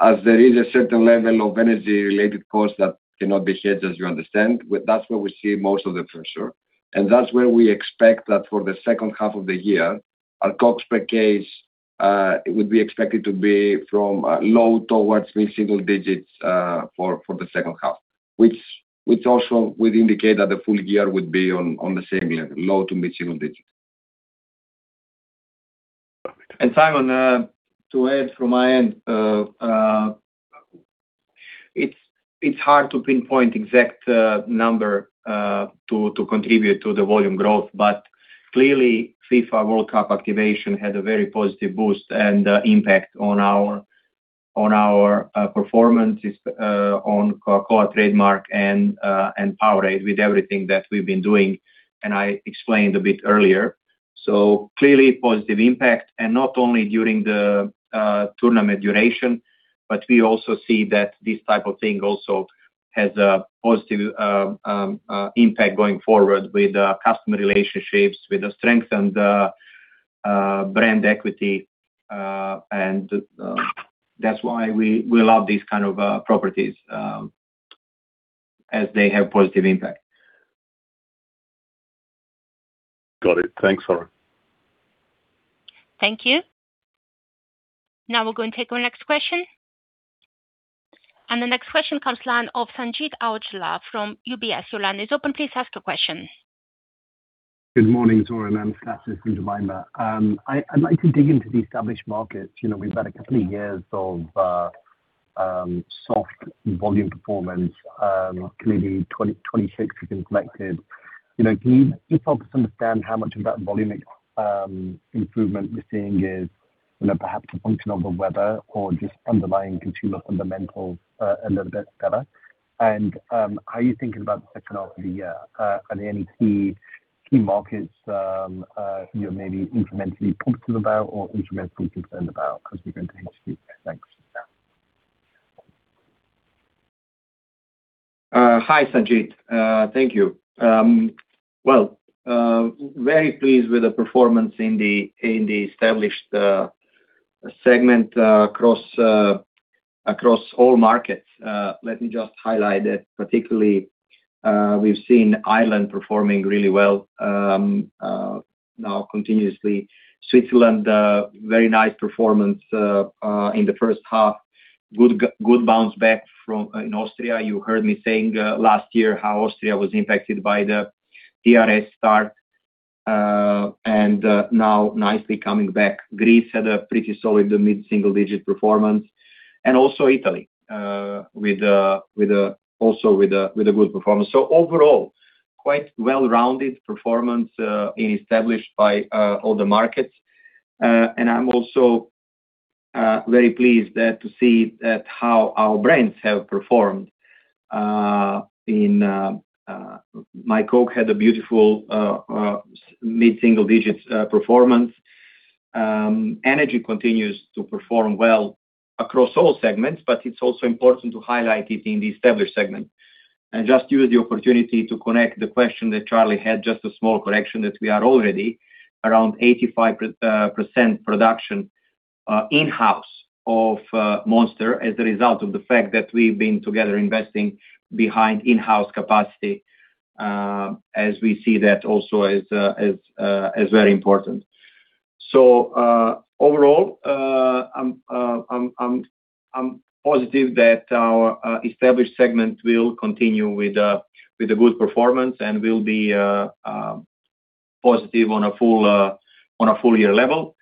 D: As there is a certain level of energy-related costs that cannot be hedged as you understand, that's where we see most of the pressure, and that's where we expect that for the second half of the year, our COGS per case would be expected to be from low towards mid-single digits for the second half, which also would indicate that the full year would be on the same, low to mid-single digits.
C: Simon, to add from my end, it's hard to pinpoint exact number to contribute to the volume growth. Clearly FIFA World Cup activation had a very positive boost and impact on our performance on Coca-Cola trademark and Powerade with everything that we've been doing and I explained a bit earlier. Clearly positive impact and not only during the tournament duration, but we also see that this type of thing also has a positive impact going forward with customer relationships, with the strength and the brand equity. That's why we love these kind of properties, as they have positive impact.
J: Got it. Thanks, Zoran.
A: Thank you. We're going to take our next question. The next question comes line of Sanjeet Aujla from UBS. Your line is open, please ask your question.
K: Good morning, Zoran, Anastasis and Jemima. I'd like to dig into the established markets. We've had a couple of years of soft volume performance. Clearly 2026 has been collected. Can you help us understand how much of that volume improvement we're seeing is perhaps a function of the weather or just underlying consumer fundamentals are a little bit better? How are you thinking about the second half of the year? Are there any key markets you're maybe incrementally positive about or incrementally concerned about as we go into H2? Thanks.
C: Hi, Sanjeet. Thank you. Well, very pleased with the performance in the established segment across all markets. Let me just highlight that particularly, we've seen Ireland performing really well now continuously. Switzerland, very nice performance in the first half. Good bounce back in Austria. You heard me saying last year how Austria was impacted by the DRS start, now nicely coming back. Greece had a pretty solid mid-single digit performance, also Italy also with a good performance. Overall, quite well-rounded performance in established by all the markets. I'm also very pleased to see how our brands have performed. My Coke had a beautiful mid-single digits performance. Energy continues to perform well across all segments, but it's also important to highlight it in the established segment. Just use the opportunity to connect the question that Charlie had, just a small correction that we are already around 85% production in-house of Monster as a result of the fact that we've been together investing behind in-house capacity, as we see that also as very important. Overall, I'm positive that our established segment will continue with a good performance and will be positive on a full year level.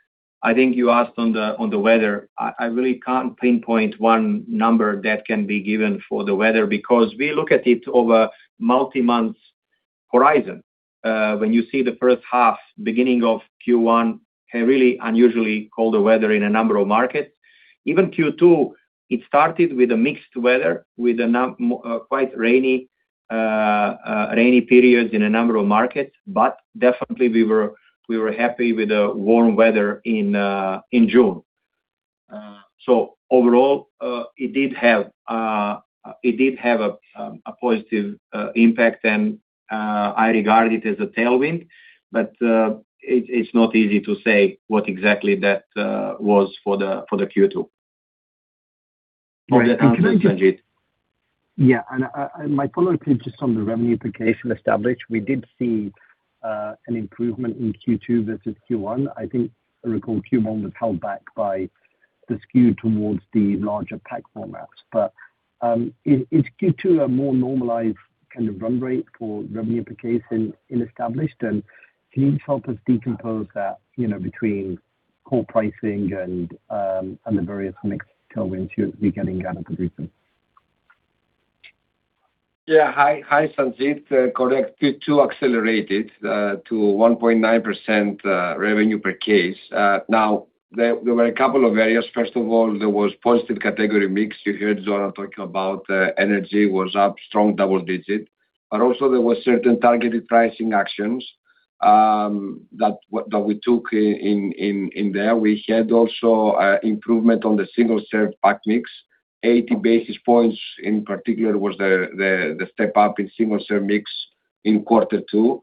C: I think you asked on the weather. I really can't pinpoint one number that can be given for the weather because we look at it over multi-month horizon. When you see the first half beginning of Q1 had really unusually colder weather in a number of markets. Even Q2, it started with a mixed weather with quite rainy periods in a number of markets. Definitely we were happy with the warm weather in June. Overall, it did have a positive impact and I regard it as a tailwind. It's not easy to say what exactly that was for the Q2.
K: Right. Could I just.
C: Go ahead, Sanjeet.
K: My follow-up is just on the revenue per case in established. We did see an improvement in Q2 versus Q1. I think, I recall Q1 was held back by the skew towards the larger pack formats. Is Q2 a more normalized kind of run rate for revenue per case in established? Can you help us decompose that between core pricing and the various mix tailwinds you were getting out of the region?
D: Yeah. Hi, Sanjeet. Correct. Q2 accelerated to 1.9% revenue per case. There were a couple of areas. First of all, there was positive category mix. You heard Zoran talking about energy was up strong double-digit. There were certain targeted pricing actions that we took in there. We had also improvement on the single-serve pack mix, 80 basis points in particular was the step up in single-serve mix in quarter two.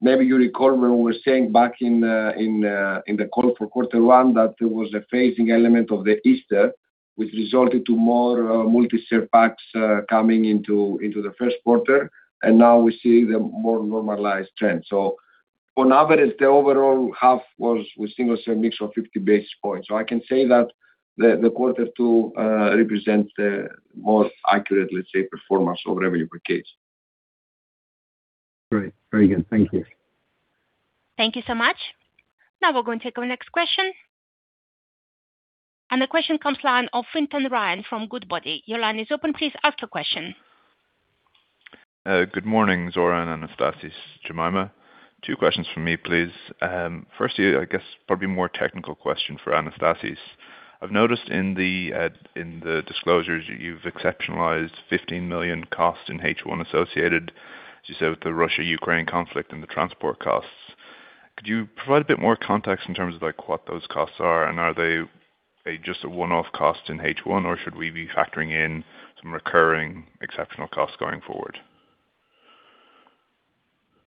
D: Maybe you recall when we were saying back in the call for quarter one that there was a phasing element of the Easter, which resulted to more multi-serve packs coming into the first quarter. Now we're seeing the more normalized trend. On average, the overall half was with single-serve mix of 50 basis points. I can say that the quarter two represent the more accurate, let's say, performance of revenue per case.
K: Great. Very good. Thank you.
A: Thank you so much. Now we're going to take our next question. The question comes line of Fintan Ryan from Goodbody. Your line is open. Please ask your question.
L: Good morning, Zoran, Anastasis, Jemima. Two questions from me, please. Firstly, I guess probably a more technical question for Anastasis. I've noticed in the disclosures that you've exceptionalized 15 million cost in H1 associated, as you said, with the Russia-Ukraine conflict and the transport costs. Could you provide a bit more context in terms of what those costs are? Are they just a one-off cost in H1, or should we be factoring in some recurring exceptional costs going forward?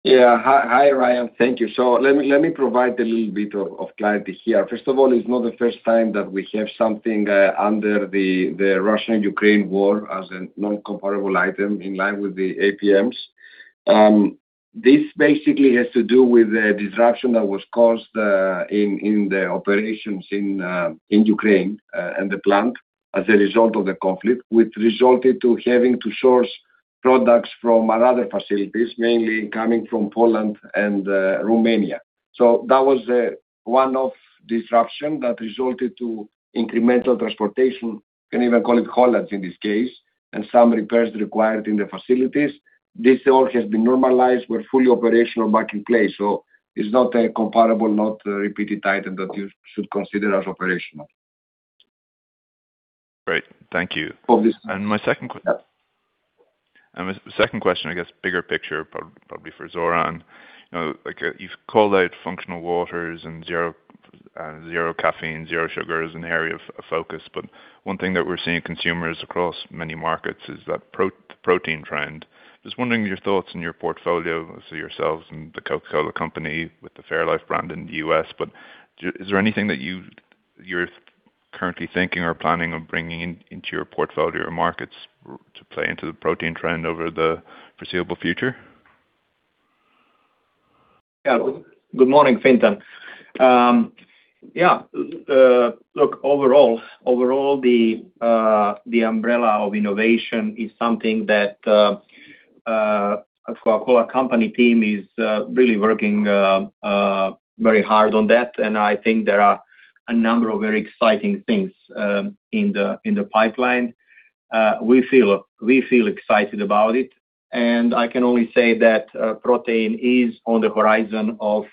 D: Hi, Ryan. Thank you. Let me provide a little bit of clarity here. First of all, it's not the first time that we have something under the Russia and Ukraine war as a non-comparable item in line with the APMs. This basically has to do with the disruption that was caused in the operations in Ukraine, and the plant as a result of the conflict, which resulted to having to source products from other facilities, mainly coming from Poland and Romania. That was a one-off disruption that resulted to incremental transportation, you can even call it haulage in this case, and some repairs required in the facilities. This all has been normalized. We're fully operational back in place. It's not a comparable, not a repeated item that you should consider as operational.
L: Great. Thank you. My second question, I guess bigger picture, probably for Zoran. You've called out functional waters and zero caffeine, zero sugar as an area of focus. One thing that we're seeing consumers across many markets is that protein trend. Just wondering your thoughts and your portfolio, obviously yourselves and The Coca-Cola Company with the fairlife brand in the U.S., is there anything that you're currently thinking or planning on bringing into your portfolio or markets to play into the protein trend over the foreseeable future?
C: Yeah. Good morning, Fintan. Yeah. Look, overall, the umbrella of innovation is something that The Coca-Cola Company team is really working very hard on that. I think there are a number of very exciting things in the pipeline. We feel excited about it, and I can only say that protein is on the horizon of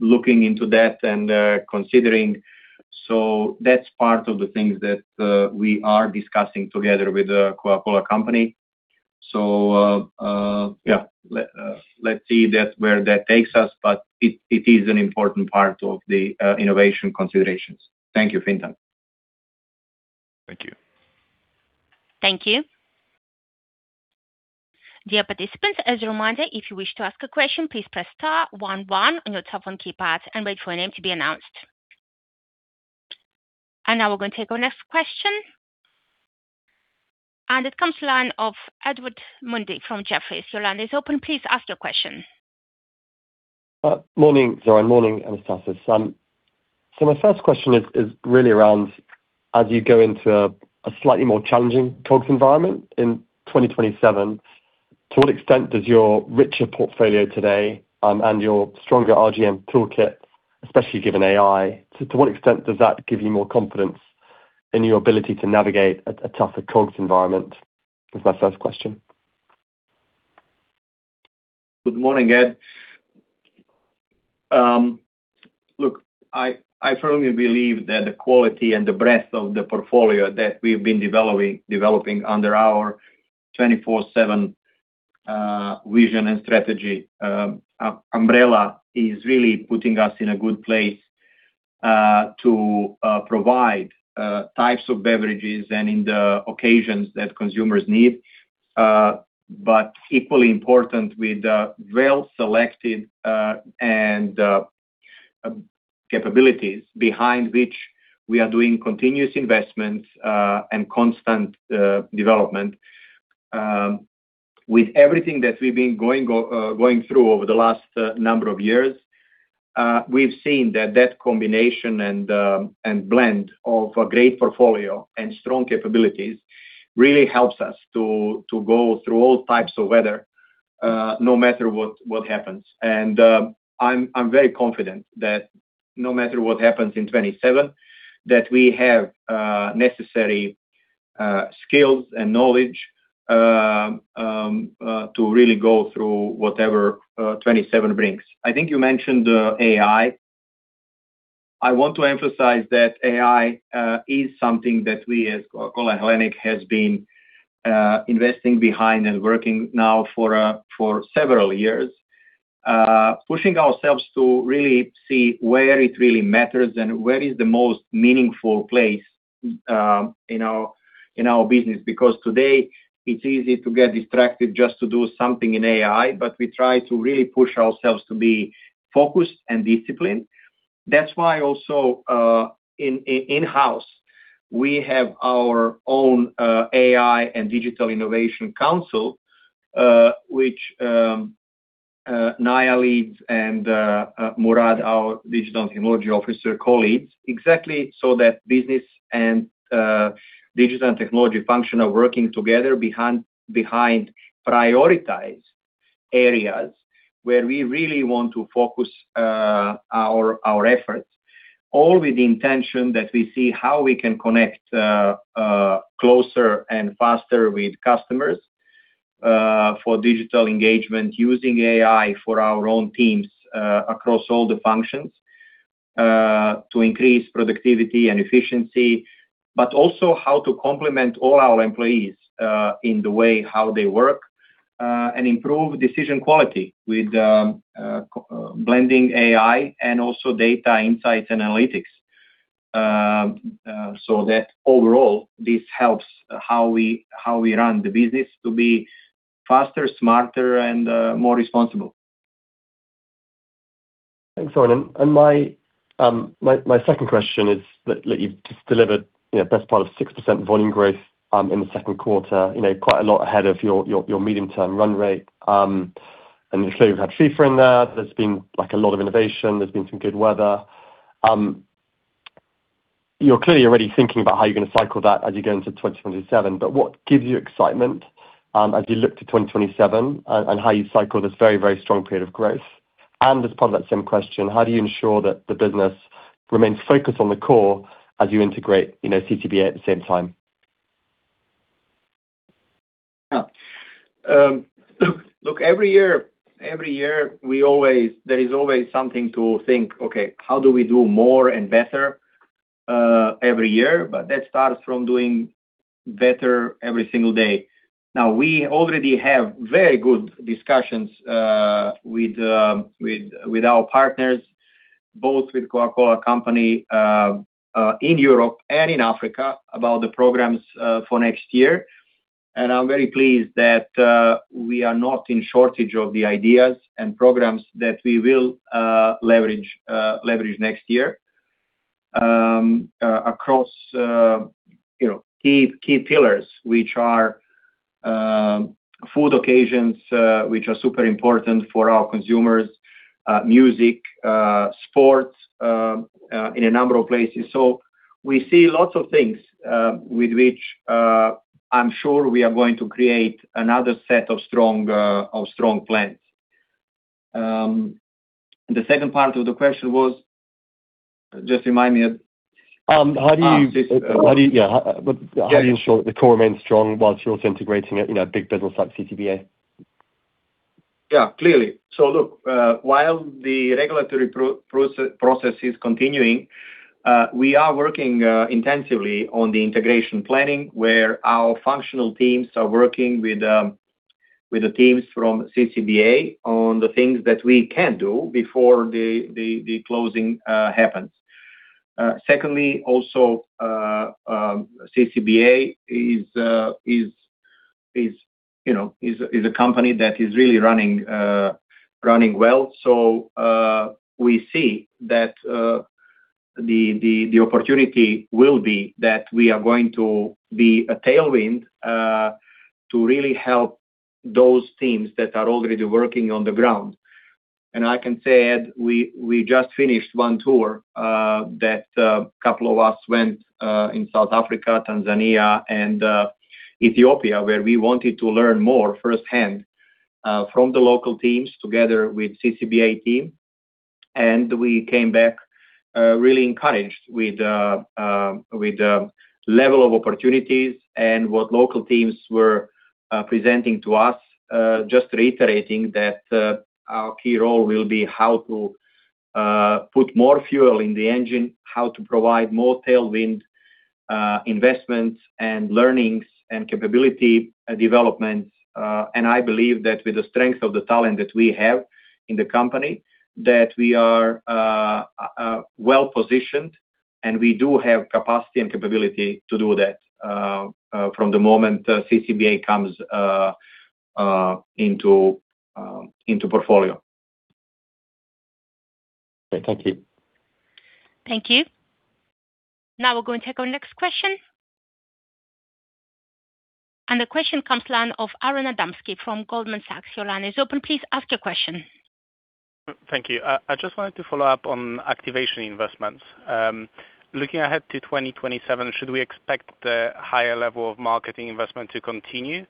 C: looking into that and considering. That's part of the things that we are discussing together with The Coca-Cola Company. Yeah. Let's see where that takes us, but it is an important part of the innovation considerations. Thank you, Fintan.
L: Thank you.
A: Thank you. Dear participants, as a reminder, if you wish to ask a question, please press star one one on your telephone keypad and wait for your name to be announced. Now we're going to take our next question. It comes line of Ed Mundy from Jefferies. Your line is open. Please ask your question.
M: Morning, Zoran. Morning, Anastasis. My first question is really around as you go into a slightly more challenging COGS environment in 2027, to what extent does your richer portfolio today and your stronger RGM toolkit, especially given AI, to what extent does that give you more confidence in your ability to navigate a tougher COGS environment? That's my first question.
C: Good morning, Ed. Look, I firmly believe that the quality and the breadth of the portfolio that we've been developing under our 24/7 vision and strategy umbrella is really putting us in a good place to provide types of beverages and in the occasions that consumers need. Equally important with well-selected and capabilities behind which we are doing continuous investments and constant development. With everything that we've been going through over the last number of years, we've seen that that combination and blend of a great portfolio and strong capabilities really helps us to go through all types of weather, no matter what happens. I'm very confident that no matter what happens in 2027, that we have necessary skills and knowledge to really go through whatever 2027 brings. I think you mentioned AI. I want to emphasize that AI is something that we, as Coca-Cola HBC, has been investing behind and working now for several years. Pushing ourselves to really see where it really matters and where is the most meaningful place in our business. Today it's easy to get distracted just to do something in AI, but we try to really push ourselves to be focused and disciplined. That's why also in-house, we have our own AI and Digital Innovation Council, which Naya leads and Mourad, our Chief Digital & Technology Officer, co-leads, exactly so that business and Digital & Technology function are working together behind prioritized areas where we really want to focus our efforts, all with the intention that we see how we can connect closer and faster with customers, for digital engagement, using AI for our own teams across all the functions, to increase productivity and efficiency, but also how to complement all our employees, in the way how they work, and improve decision quality with blending AI and also data insights and analytics. Overall, this helps how we run the business to be faster, smarter, and more responsible.
M: Thanks, Zoran. My second question is that you've just delivered best part of 6% volume growth in the second quarter, quite a lot ahead of your medium-term run rate. Clearly, you've had FIFA in there. There's been a lot of innovation. There's been some good weather. You're clearly already thinking about how you're going to cycle that as you go into 2027, but what gives you excitement as you look to 2027 and how you cycle this very, very strong period of growth? As part of that same question, how do you ensure that the business remains focused on the core as you integrate CCBA at the same time?
C: Look, every year, there is always something to think, okay, how do we do more and better every year? That starts from doing better every single day. Now, we already have very good discussions with our partners, both with The Coca-Cola Company in Europe and in Africa, about the programs for next year. I'm very pleased that we are not in shortage of the ideas and programs that we will leverage next year, across key pillars, which are food occasions, which are super important for our consumers, music, sports, in a number of places. We see lots of things, with which I'm sure we are going to create another set of strong plans. The second part of the question was? Just remind me.
M: How do you ensure that the core remains strong whilst you're also integrating a big business like CCBA?
C: Yeah, clearly. Look, while the regulatory process is continuing, we are working intensively on the integration planning, where our functional teams are working with the teams from CCBA on the things that we can do before the closing happens. Secondly, also, CCBA is a company that is really running well, so we see that the opportunity will be that we are going to be a tailwind to really help those teams that are already working on the ground. I can say, Ed, we just finished one tour that a couple of us went in South Africa, Tanzania, and Ethiopia where we wanted to learn more firsthand from the local teams together with CCBA team. We came back really encouraged with the level of opportunities and what local teams were presenting to us, just reiterating that our key role will be how to put more fuel in the engine, how to provide more tailwind investments and learnings and capability developments. I believe that with the strength of the talent that we have in the company, that we are well-positioned, and we do have capacity and capability to do that from the moment CCBA comes into portfolio.
M: Okay. Thank you.
A: Thank you. Now we're going to take our next question. The question comes line of Aron Adamski from Goldman Sachs. Your line is open. Please ask your question.
E: Thank you. I just wanted to follow up on activation investments. Looking ahead to 2027, should we expect the higher level of marketing investment to continue?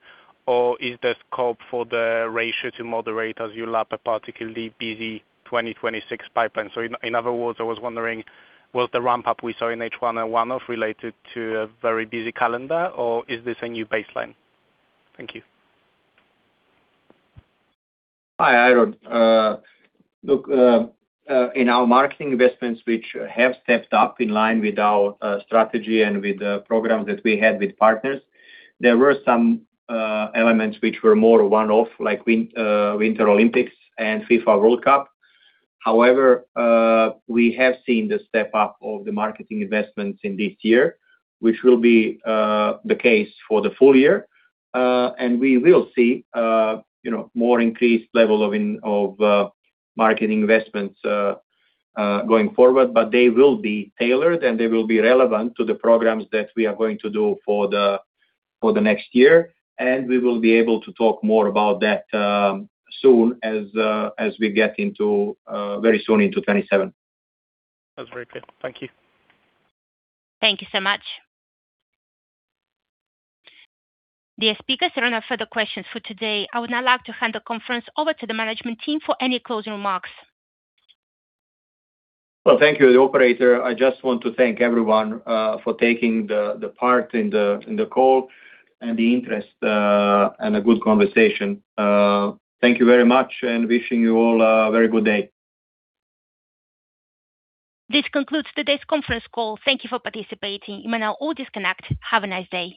E: Or is there scope for the ratio to moderate as you lap a particularly busy 2026 pipeline? In other words, I was wondering, was the ramp-up we saw in H1 a one-off related to a very busy calendar or is this a new baseline? Thank you.
C: Hi, Aron. Look, in our marketing investments, which have stepped up in line with our strategy and with the programs that we had with partners, there were some elements which were more one-off, like Winter Olympics and FIFA World Cup. However, we have seen the step up of the marketing investments in this year, which will be the case for the full year. We will see more increased level of marketing investments going forward, but they will be tailored, and they will be relevant to the programs that we are going to do for the next year, and we will be able to talk more about that soon as we get very soon into 2027.
E: That's very clear. Thank you.
A: Thank you so much. Dear speakers, there are no further questions for today. I would now like to hand the conference over to the management team for any closing remarks.
C: Well, thank you, operator. I just want to thank everyone for taking the part in the call and the interest and a good conversation. Thank you very much and wishing you all a very good day.
A: This concludes today's conference call. Thank you for participating. You may now all disconnect. Have a nice day.